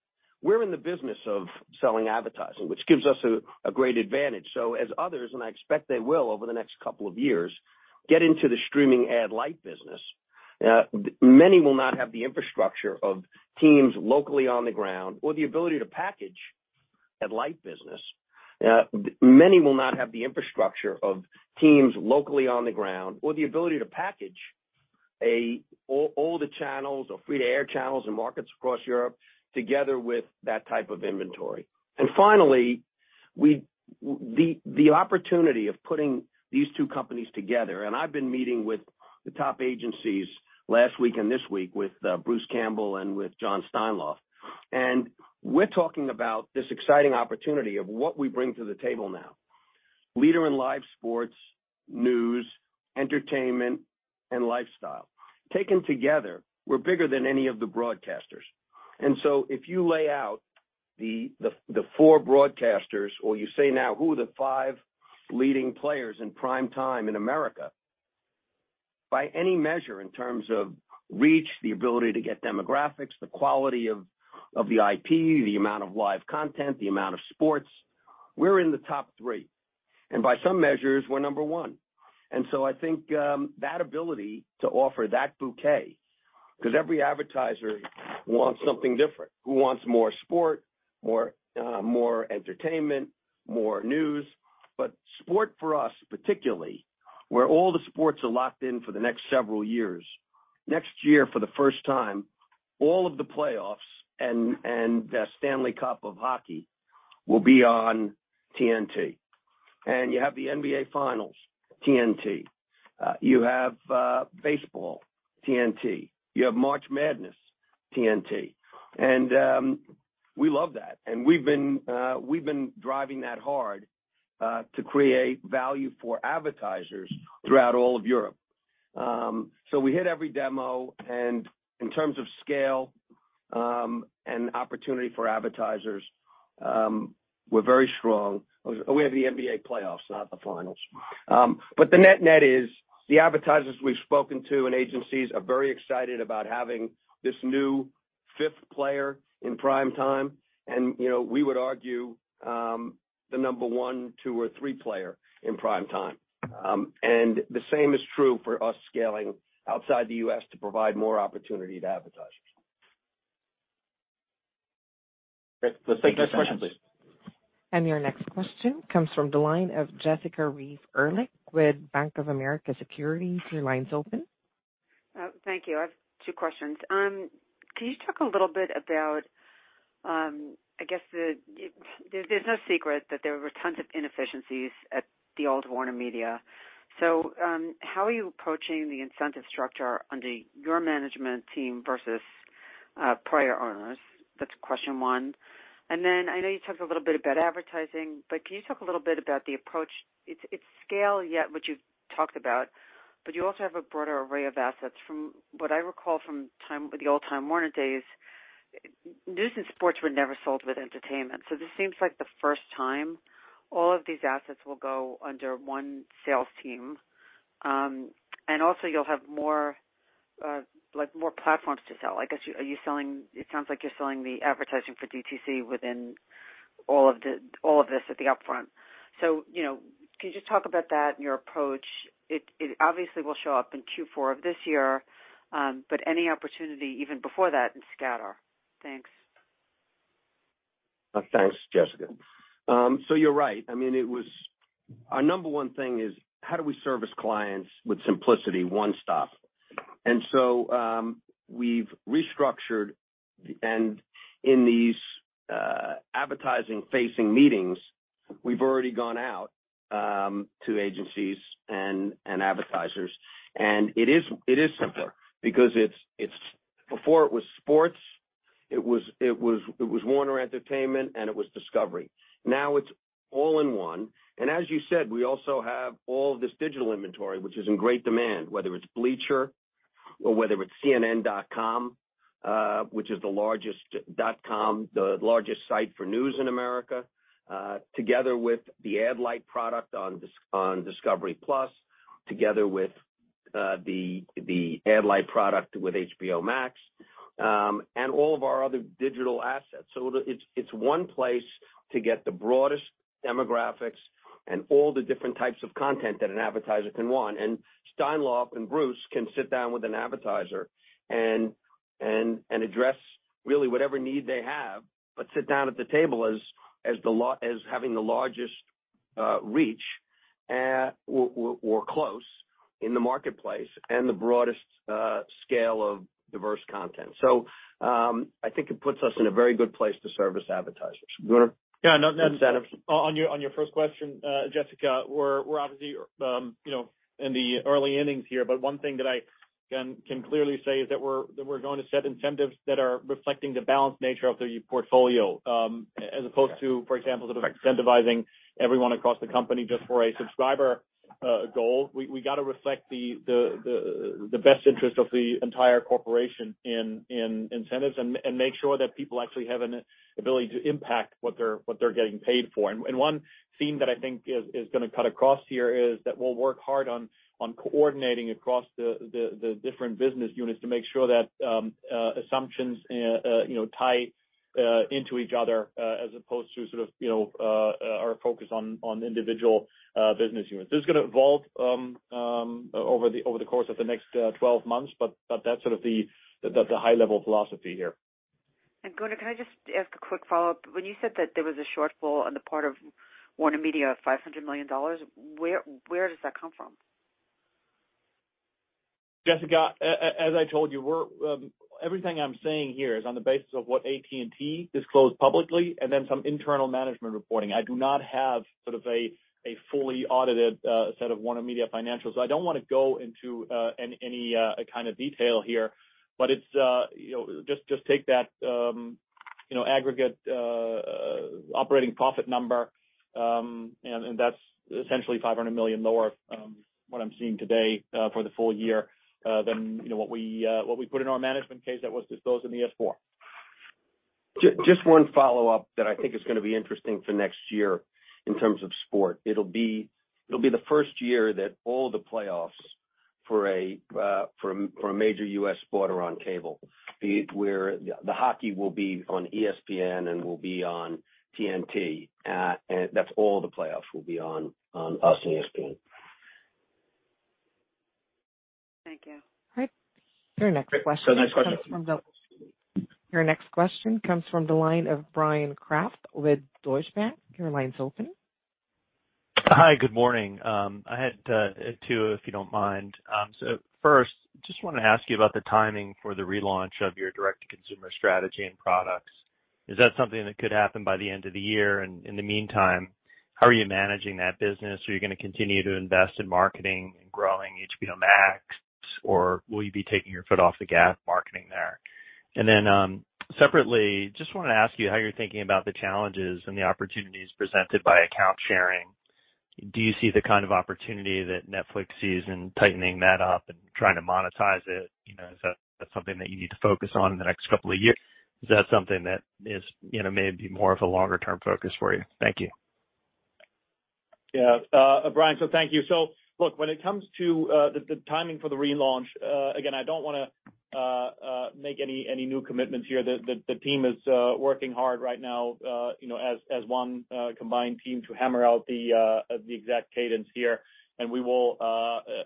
S3: we're in the business of selling advertising, which gives us a great advantage. As others, and I expect they will over the next couple of years, get into the streaming ad light business, many will not have the infrastructure of teams locally on the ground or the ability to package ad light business. Many will not have the infrastructure of teams locally on the ground or the ability to package all the channels or free-to-air channels and markets across Europe together with that type of inventory. Finally, we... The opportunity of putting these two companies together, and I've been meeting with the top agencies last week and this week with Bruce Campbell and with Jon Steinlauf. We're talking about this exciting opportunity of what we bring to the table now, a leader in live sports, news, entertainment, and lifestyle. Taken together, we're bigger than any of the broadcasters. If you lay out the four broadcasters or you say now who are the five leading players in prime time in America, by any measure in terms of reach, the ability to get demographics, the quality of the IP, the amount of live content, the amount of sports, we're in the top three. By some measures, we're number one. I think that ability to offer that bouquet because every advertiser wants something different, who wants more sport, more entertainment, more news. Sport for us, particularly, where all the sports are locked in for the next several years. Next year, for the first time, all of the playoffs and the Stanley Cup of hockey will be on TNT. You have the NBA Finals, TNT. You have baseball, TNT. You have March Madness, TNT. We love that. We've been driving that hard to create value for advertisers throughout all of Europe. We hit every demo, and in terms of scale and opportunity for advertisers, we're very strong. We have the NBA playoffs, not the finals. The net-net is the advertisers we've spoken to and agencies are very excited about having this new fifth player in prime time. You know, we would argue the number one, two, or three player in prime time. The same is true for us scaling outside the U.S. to provide more opportunity to advertisers.
S4: Great. Let's take the next question, please.
S1: Your next question comes from the line of Jessica Reif Ehrlich with Bank of America Securities. Your line's open.
S7: Thank you. I have two questions. Can you talk a little bit about, I guess, there's no secret that there were tons of inefficiencies at the old WarnerMedia. How are you approaching the incentive structure under your management team versus prior owners? That's question one. I know you talked a little bit about advertising, but can you talk a little bit about the approach? It's scale yet, which you've talked about, but you also have a broader array of assets. From what I recall from the time, the old Time Warner days, news and sports were never sold with entertainment. This seems like the first time all of these assets will go under one sales team. Also you'll have more, like, more platforms to sell. I guess, are you selling... It sounds like you're selling the advertising for DTC within all of this at the upfront. You know, can you just talk about that and your approach? It obviously will show up in Q4 of this year, but any opportunity even before that in scatter. Thanks.
S3: Thanks, Jessica. You're right. I mean, it was our number one thing is how do we service clients with simplicity, one stop? We've restructured, and in these advertising facing meetings, we've already gone out to agencies and advertisers. It is simpler because it's before it was sports, it was Warner Entertainment, and it was Discovery. Now it's all in one. As you said, we also have all of this digital inventory, which is in great demand, whether it's Bleacher or whether it's cnn.com, which is the largest dot com, the largest site for news in America, together with the ad light product on discovery+, together with the ad light product with HBO Max, and all of our other digital assets. It's one place to get the broadest demographics and all the different types of content that an advertiser can want. Steinlauf and Bruce can sit down with an advertiser and address really whatever need they have, but sit down at the table as having the largest reach or close in the marketplace and the broadest scale of diverse content. I think it puts us in a very good place to service advertisers. Gunnar?
S4: Yeah. On your first question, Jessica, we're obviously, you know, in the early innings here, but one thing that I can clearly say is that we're going to set incentives that are reflecting the balanced nature of the portfolio, as opposed to, for example, sort of incentivizing everyone across the company just for a subscriber goal. We gotta reflect the best interest of the entire corporation in incentives and make sure that people actually have an ability to impact what they're getting paid for. One theme that I think is gonna cut across here is that we'll work hard on coordinating across the different business units to make sure that assumptions you know tie into each other as opposed to sort of you know our focus on individual business units. This is gonna evolve over the course of the next 12 months, but that's sort of the high level philosophy here.
S7: Gunnar, can I just ask a quick follow-up? When you said that there was a shortfall on the part of WarnerMedia of $500 million, where does that come from?
S4: Jessica, as I told you, everything I'm saying here is on the basis of what AT&T disclosed publicly and then some internal management reporting. I do not have sort of a fully audited set of WarnerMedia financials. I don't wanna go into any kind of detail here, but you know, just take that you know, aggregate operating profit number, and that's essentially $500 million lower, what I'm seeing today for the full year, than you know, what we put in our management case that was disclosed in the S-4.
S3: Just one follow-up that I think is gonna be interesting for next year in terms of sports. It'll be the first year that all the playoffs for a major U.S. sport are on cable, be it whether the hockey will be on ESPN and will be on TNT. That's all the playoffs will be on us and ESPN.
S7: Thank you.
S1: All right. Your next question comes from the
S3: Next question.
S1: Your next question comes from the line of Bryan Kraft with Deutsche Bank. Your line's open.
S8: Hi. Good morning. I had two, if you don't mind. So first, just wanna ask you about the timing for the relaunch of your direct-to-consumer strategy and products. Is that something that could happen by the end of the year? In the meantime, how are you managing that business? Are you gonna continue to invest in marketing and growing HBO Max, or will you be taking your foot off the gas marketing there? Separately, just wanna ask you how you're thinking about the challenges and the opportunities presented by account sharing. Do you see the kind of opportunity that Netflix sees in tightening that up and trying to monetize it? You know, is that something that you need to focus on in the next couple of years? Is that something that is, you know, maybe more of a longer term focus for you? Thank you.
S4: Yeah, Brian, thank you. Look, when it comes to the timing for the relaunch, again, I don't wanna make any new commitments here. The team is working hard right now, you know, as one combined team to hammer out the exact cadence here. We will,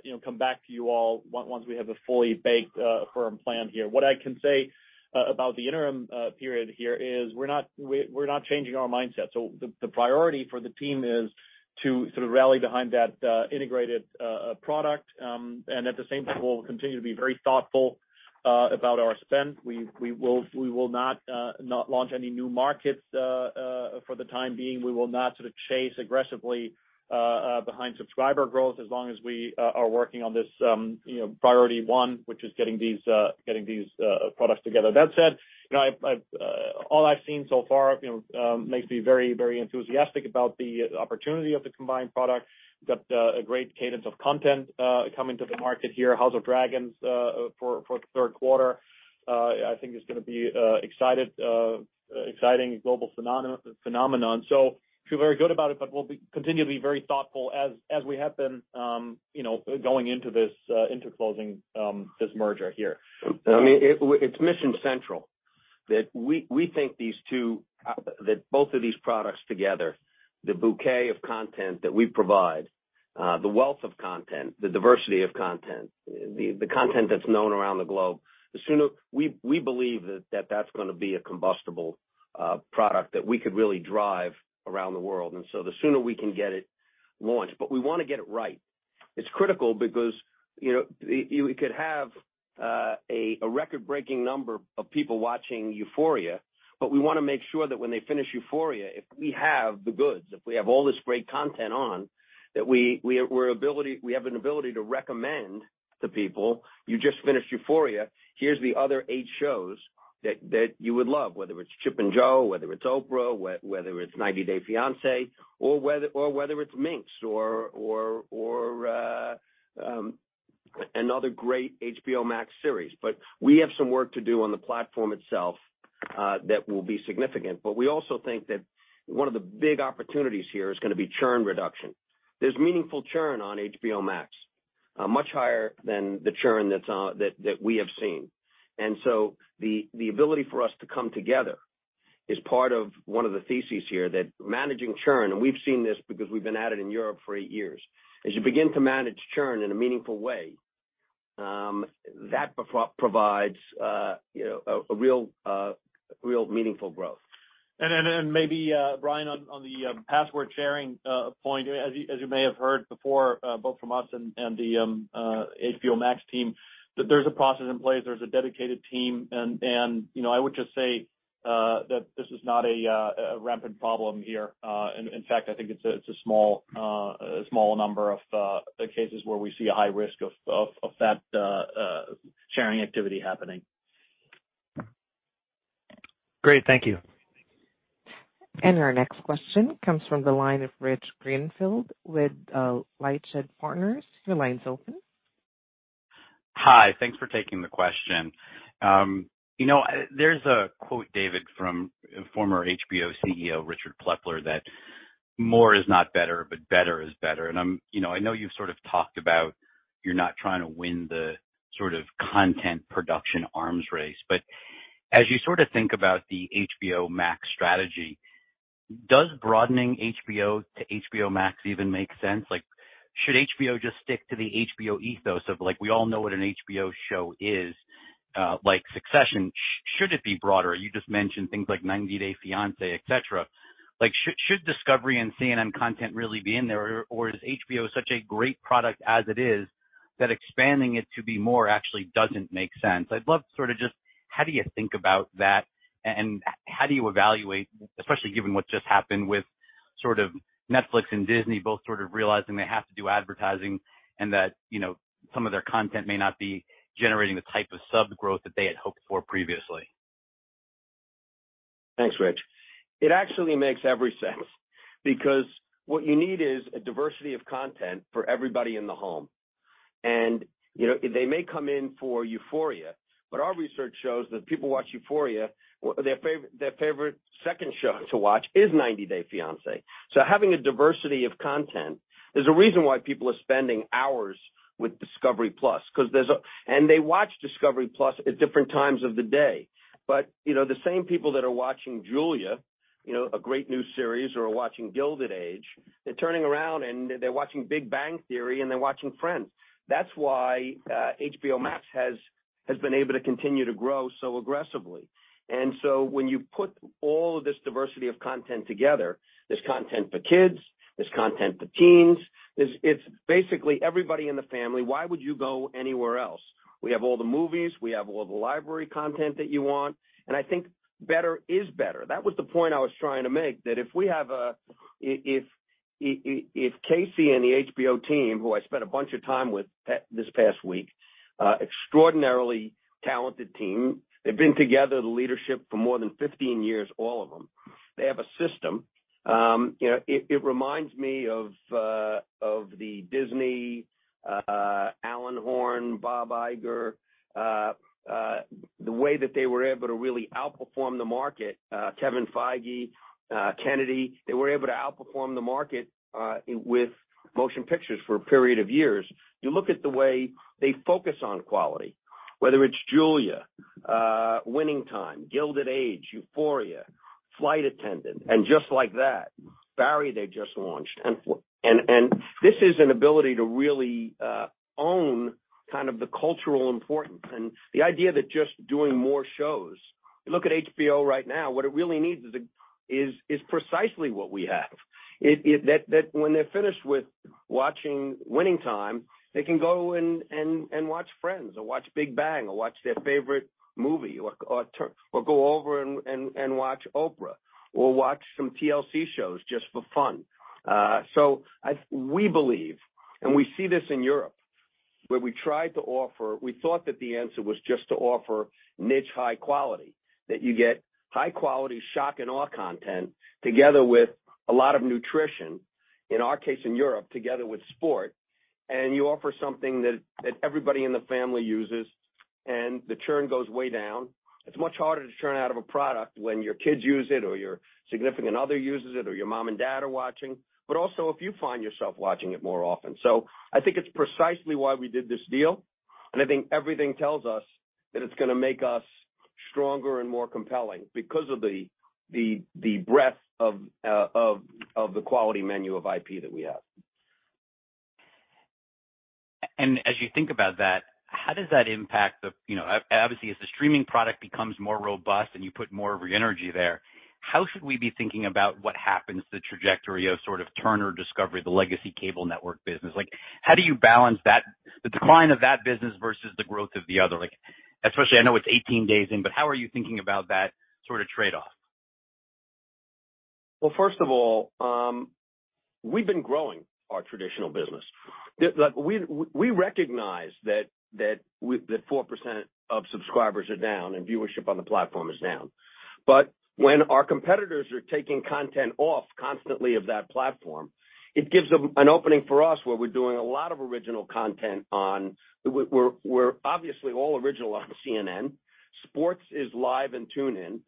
S4: you know, come back to you all once we have a fully baked firm plan here. What I can say about the interim period here is we're not changing our mindset. The priority for the team is to sort of rally behind that integrated product, and at the same time, we'll continue to be very thoughtful about our spend. We will not launch any new markets for the time being. We will not sort of chase aggressively behind subscriber growth as long as we are working on this, you know, priority one, which is getting these products together. That said, you know, all I've seen so far, you know, makes me very enthusiastic about the opportunity of the combined product. Got a great cadence of content coming to the market here. House of the Dragon for third quarter, I think is gonna be exciting global phenomenon. Feel very good about it, but we'll continually be very thoughtful as we have been, you know, going into this into closing this merger here.
S3: I mean, it's mission central that we think both of these products together, the bouquet of content that we provide, the wealth of content, the diversity of content, the content that's known around the globe, the sooner we believe that that's gonna be a combustible product that we could really drive around the world. The sooner we can get it launched, but we wanna get it right. It's critical because we could have a record-breaking number of people watching Euphoria, but we wanna make sure that when they finish Euphoria, if we have the goods, if we have all this great content on, that we have an ability to recommend to people, "You just finished Euphoria. Here's the other eight shows that you would love, whether it's Chip and Jo, whether it's Oprah, whether it's 90 Day Fiancé, or whether it's Minx or another great HBO Max series. We have some work to do on the platform itself, that will be significant. We also think that one of the big opportunities here is gonna be churn reduction. There's meaningful churn on HBO Max, much higher than the churn that we have seen. The ability for us to come together is part of one of the theses here that managing churn, and we've seen this because we've been at it in Europe for eight years. As you begin to manage churn in a meaningful way, that provides, you know, a real meaningful growth.
S4: Maybe, Bryan, on the password sharing point, as you may have heard before, both from us and the HBO Max team, that there's a process in place, there's a dedicated team, you know, I would just say, that this is not a rampant problem here. In fact, I think it's a small number of cases where we see a high risk of that sharing activity happening.
S8: Great. Thank you.
S1: Our next question comes from the line of Rich Greenfield with LightShed Partners. Your line's open.
S9: Hi. Thanks for taking the question. You know, there's a quote, David, from former HBO CEO, Richard Plepler, that more is not better, but better is better. I'm... You know, I know you've sort of talked about you're not trying to win the sort of content production arms race. As you sort of think about the HBO Max strategy, does broadening HBO to HBO Max even make sense? Like, should HBO just stick to the HBO ethos of like, we all know what an HBO show is, like Succession. Should it be broader? You just mentioned things like 90 Day Fiancé, et cetera. Like, should Discovery and CNN content really be in there? Or is HBO such a great product as it is that expanding it to be more actually doesn't make sense? I'd love sort of just how do you think about that, and how do you evaluate, especially given what just happened with sort of Netflix and Disney both sort of realizing they have to do advertising and that, you know, some of their content may not be generating the type of sub growth that they had hoped for previously?
S3: Thanks, Rich. It actually makes perfect sense because what you need is a diversity of content for everybody in the home. You know, they may come in for Euphoria, but our research shows that people watch Euphoria, their favorite second show to watch is 90 Day Fiancé. Having a diversity of content, there's a reason why people are spending hours with discovery+ 'cause there's a. They watch discovery+ at different times of the day. You know, the same people that are watching Julia, you know, a great new series, or are watching Gilded Age, they're turning around and they're watching Big Bang Theory and they're watching Friends. That's why HBO Max has been able to continue to grow so aggressively. When you put all of this diversity of content together, there's content for kids, there's content for teens, it's basically everybody in the family. Why would you go anywhere else? We have all the movies, we have all the library content that you want, and I think better is better. That was the point I was trying to make, that if we have, if Casey and the HBO team, who I spent a bunch of time with this past week, extraordinarily talented team. They've been together, the leadership, for more than 15 years, all of them. They have a system. You know, it reminds me of the Disney, Alan Horn, Bob Iger, the way that they were able to really outperform the market, Kevin Feige, Kennedy, they were able to outperform the market with motion pictures for a period of years. You look at the way they focus on quality, whether it's Julia, Winning Time, Gilded Age, Euphoria, Flight Attendant, And Just Like That. Barry, they just launched. This is an ability to really own kind of the cultural importance and the idea that just doing more shows. You look at HBO right now, what it really needs is precisely what we have. That when they're finished with watching Winning Time, they can go and watch Friends or watch Big Bang or watch their favorite movie or go over and watch Oprah or watch some TLC shows just for fun. We believe, and we see this in Europe, where we tried to offer. We thought that the answer was just to offer niche high quality, that you get high-quality shock-and-awe content together with a lot of nutrition, in our case in Europe, together with sport, and you offer something that everybody in the family uses, and the churn goes way down. It's much harder to churn out of a product when your kids use it or your significant other uses it or your mom and dad are watching, but also if you find yourself watching it more often. I think it's precisely why we did this deal, and I think everything tells us that it's gonna make us stronger and more compelling because of the breadth of the quality menu of IP that we have.
S9: As you think about that, how does that impact the, you know, obviously, as the streaming product becomes more robust and you put more of your energy there, how should we be thinking about what happens, the trajectory of sort of Turner Discovery, the legacy cable network business? Like, how do you balance that, the decline of that business versus the growth of the other? Like, especially I know it's 18 days in, but how are you thinking about that sort of trade-off?
S3: Well, first of all, we've been growing our traditional business. We recognize that 4% of subscribers are down and viewership on the platform is down. When our competitors are taking content off of that platform constantly, it gives them an opening for us where we're doing a lot of original content. We're obviously all original on CNN. Sports is live and tuned in.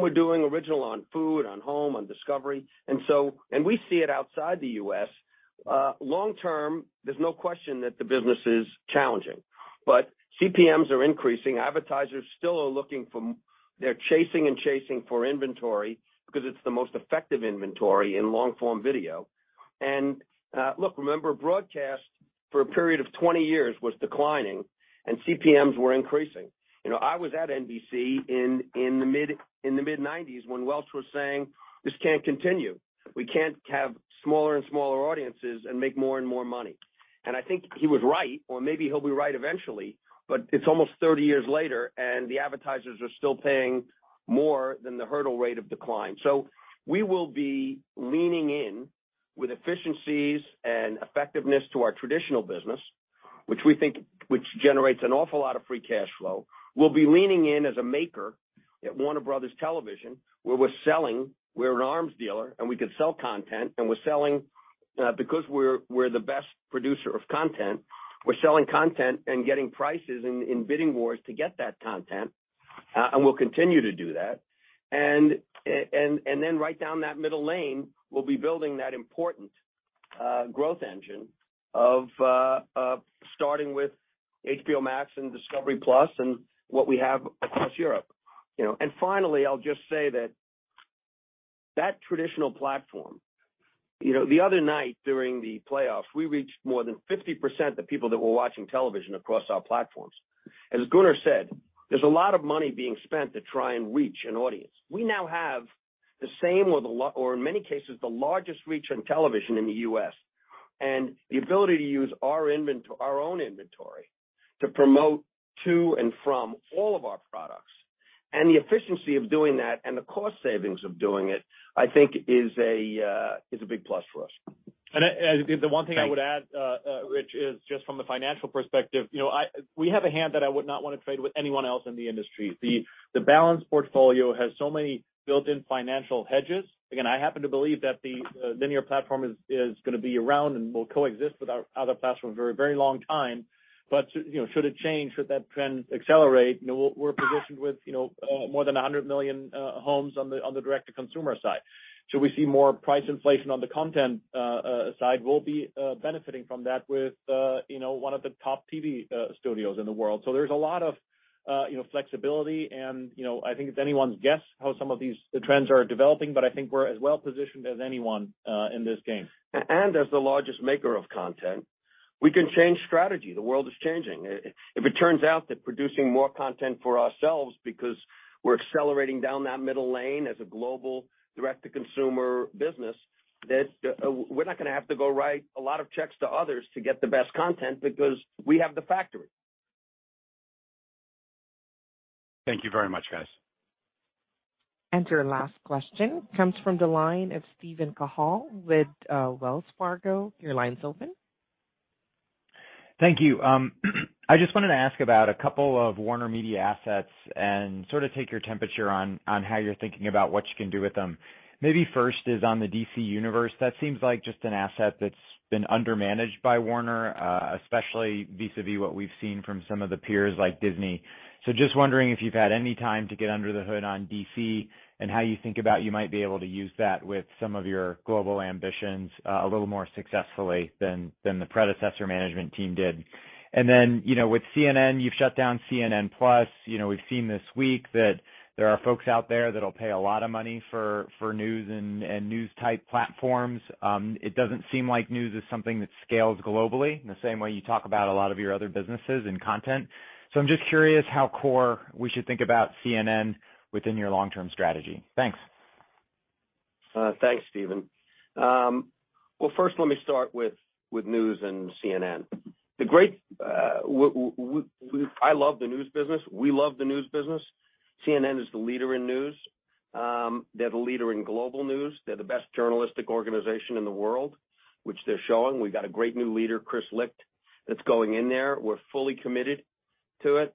S3: We're doing original on Food, on Home, on Discovery. We see it outside the U.S. Long term, there's no question that the business is challenging. CPMs are increasing. Advertisers still are looking for. They're chasing and chasing for inventory because it's the most effective inventory in long form video. Look, remember broadcast for a period of 20 years was declining and CPMs were increasing. You know, I was at NBC in the mid-1990s when Welch was saying, "This can't continue. We can't have smaller and smaller audiences and make more and more money." I think he was right or maybe he'll be right eventually, but it's almost 30 years later, and the advertisers are still paying more than the hurdle rate of decline. We will be leaning in with efficiencies and effectiveness to our traditional business, which we think generates an awful lot of free cash flow. We'll be leaning in as a maker at Warner Bros. Television, where we're selling, we're an arms dealer, and we can sell content, and we're selling because we're the best producer of content, we're selling content and getting prices in bidding wars to get that content, and we'll continue to do that. right down that middle lane, we'll be building that important growth engine of starting with HBO Max and discovery+ and what we have across Europe. You know? Finally, I'll just say that traditional platform. You know, the other night during the playoffs, we reached more than 50% of the people that were watching television across our platforms. As Gunnar said, there's a lot of money being spent to try and reach an audience. We now have the same or in many cases, the largest reach on television in the U.S., and the ability to use our own inventory to promote to and from all of our products and the efficiency of doing that and the cost savings of doing that, I think is a big plus for us.
S4: I as the one thing I would add, Rich, is just from the financial perspective. You know, we have a hand that I would not wanna trade with anyone else in the industry. The balanced portfolio has so many built-in financial hedges. Again, I happen to believe that the linear platform is gonna be around and will coexist with our other platforms for a very long time. You know, should it change, should that trend accelerate, you know, we're positioned with, you know, more than 100 million homes on the direct-to-consumer side. Should we see more price inflation on the content side, we'll be benefiting from that with, you know, one of the top TV studios in the world. There's a lot of, you know, flexibility and, you know, I think it's anyone's guess how some of these trends are developing, but I think we're as well positioned as anyone in this game.
S3: As the largest maker of content, we can change strategy. The world is changing. If it turns out that producing more content for ourselves because we're accelerating down that middle lane as a global direct-to-consumer business, that, we're not gonna have to go write a lot of checks to others to get the best content because we have the factory.
S9: Thank you very much, guys.
S1: Your last question comes from the line of Steven Cahall with Wells Fargo. Your line's open.
S10: Thank you. I just wanted to ask about a couple of WarnerMedia assets and sort of take your temperature on how you're thinking about what you can do with them. Maybe first is on the DC Universe. That seems like just an asset that's been under-managed by Warner, especially vis-a-vis what we've seen from some of the peers like Disney. Just wondering if you've had any time to get under the hood on DC and how you think about you might be able to use that with some of your global ambitions a little more successfully than the predecessor management team did. You know, with CNN, you've shut down CNN+. You know, we've seen this week that there are folks out there that'll pay a lot of money for news and news-type platforms. It doesn't seem like news is something that scales globally in the same way you talk about a lot of your other businesses and content. I'm just curious how core we should think about CNN within your long-term strategy? Thanks.
S3: Thanks, Stephen. Well, first let me start with news and CNN. I love the news business. We love the news business. CNN is the leader in news. They're the leader in global news. They're the best journalistic organization in the world, which they're showing. We've got a great new leader, Chris Licht, that's going in there. We're fully committed to it.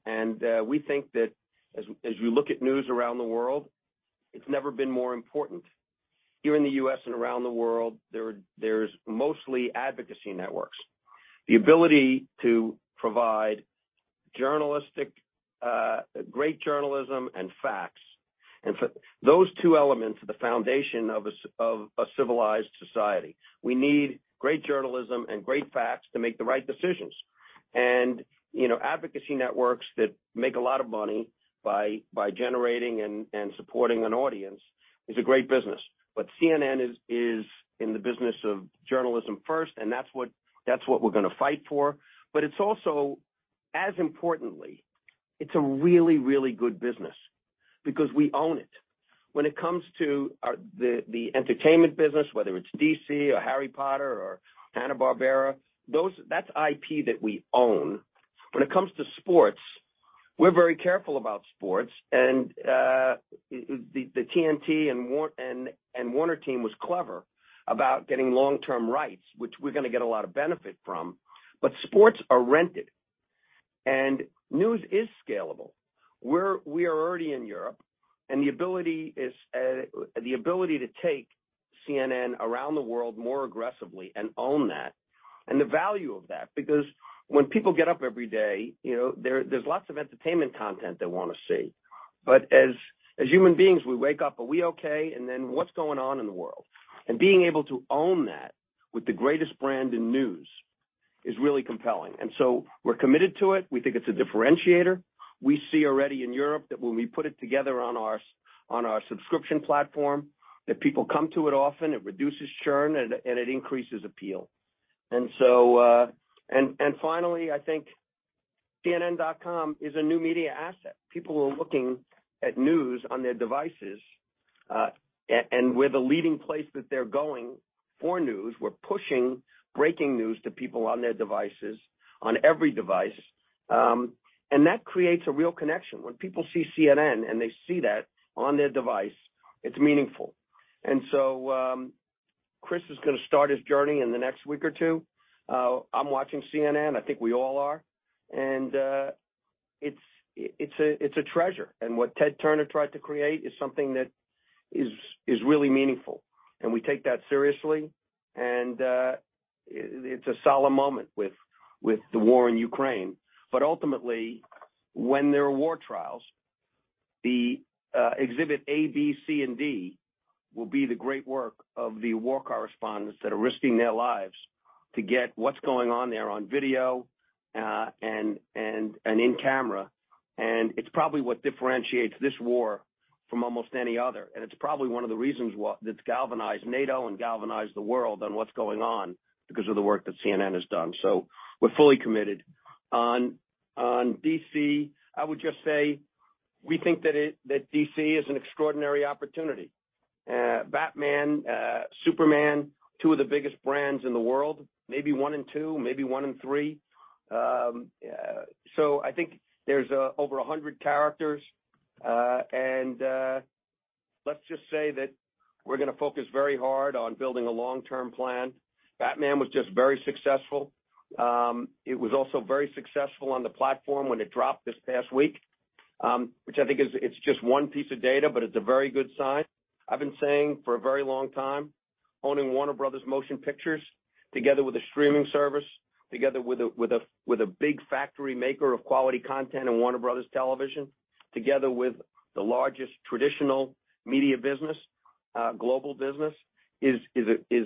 S3: We think that as you look at news around the world, it's never been more important. Here in the U.S. and around the world, there's mostly advocacy networks. The ability to provide journalistic great journalism and facts. Those two elements are the foundation of a civilized society. We need great journalism and great facts to make the right decisions. You know, advocacy networks that make a lot of money by generating and supporting an audience is a great business. CNN is in the business of journalism first, and that's what we're gonna fight for. It's also as importantly it's a really good business because we own it. When it comes to our entertainment business, whether it's DC or Harry Potter or Hanna-Barbera, that's IP that we own. When it comes to sports, we're very careful about sports. The TNT and Warner team was clever about getting long-term rights, which we're gonna get a lot of benefit from. Sports are rented and news is scalable. We are already in Europe, and the ability to take CNN around the world more aggressively and own that and the value of that, because when people get up every day, you know, there's lots of entertainment content they wanna see. But as human beings, we wake up, are we okay? And then what's going on in the world? Being able to own that with the greatest brand in news is really compelling. We're committed to it. We think it's a differentiator. We see already in Europe that when we put it together on our subscription platform, that people come to it often, it reduces churn, and it increases appeal. Finally, I think cnn.com is a new media asset. People are looking at news on their devices, and we're the leading place that they're going for news. We're pushing breaking news to people on their devices, on every device. That creates a real connection. When people see CNN, and they see that on their device, it's meaningful. Chris is gonna start his journey in the next week or two. I'm watching CNN. I think we all are. It's a treasure. What Ted Turner tried to create is something that is really meaningful, and we take that seriously. It's a solemn moment with the war in Ukraine, but ultimately, when there are war trials, the exhibit A, B, C and D will be the great work of the war correspondents that are risking their lives to get what's going on there on video, and in camera. It's probably what differentiates this war from almost any other. It's probably one of the reasons that's galvanized NATO and galvanized the world on what's going on because of the work that CNN has done. We're fully committed. On DC, I would just say we think that DC is an extraordinary opportunity. Batman, Superman, two of the biggest brands in the world, maybe one and two, maybe one and three. So I think there's over 100 characters. Let's just say that we're gonna focus very hard on building a long-term plan. Batman was just very successful. It was also very successful on the platform when it dropped this past week, which I think is just one piece of data, but it's a very good sign. I've been saying for a very long time, owning Warner Bros. Pictures together with a streaming service, together with a big factory maker of quality content in Warner Bros. Television, together with the largest traditional media business, global business, is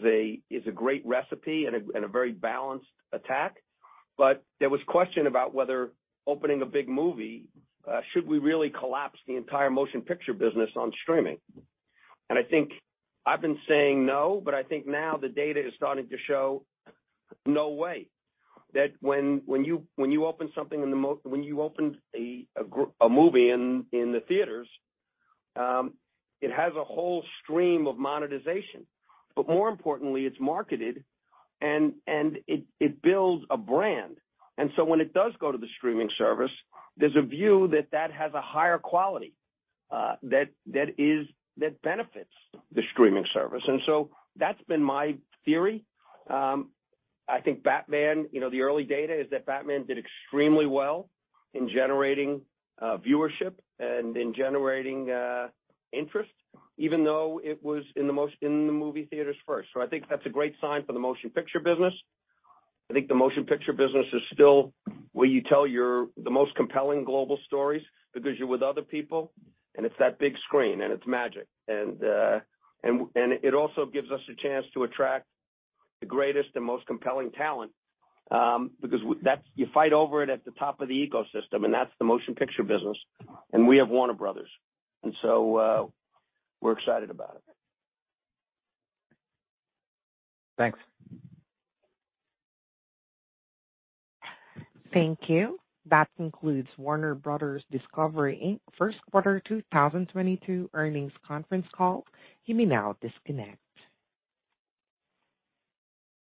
S3: a great recipe and a very balanced attack. There was a question about whether opening a big movie should we really collapse the entire motion picture business on streaming? I think I've been saying no, but I think now the data is starting to show no way. That when you open a movie in the theaters, it has a whole stream of monetization, but more importantly, it's marketed and it builds a brand. When it does go to the streaming service, there's a view that that has a higher quality, that benefits the streaming service. That's been my theory. I think Batman, the early data is that Batman did extremely well in generating viewership and in generating interest, even though it was in the movie theaters first. I think that's a great sign for the motion picture business. I think the motion picture business is still where you tell the most compelling global stories because you're with other people, and it's that big screen, and it's magic. It also gives us a chance to attract the greatest and most compelling talent because that's where you fight over it at the top of the ecosystem, and that's the motion picture business. We have Warner Bros., and we're excited about it.
S10: Thanks.
S1: Thank you. That concludes Warner Bros. Discovery, Inc.'s first quarter 2022 earnings conference call. You may now disconnect.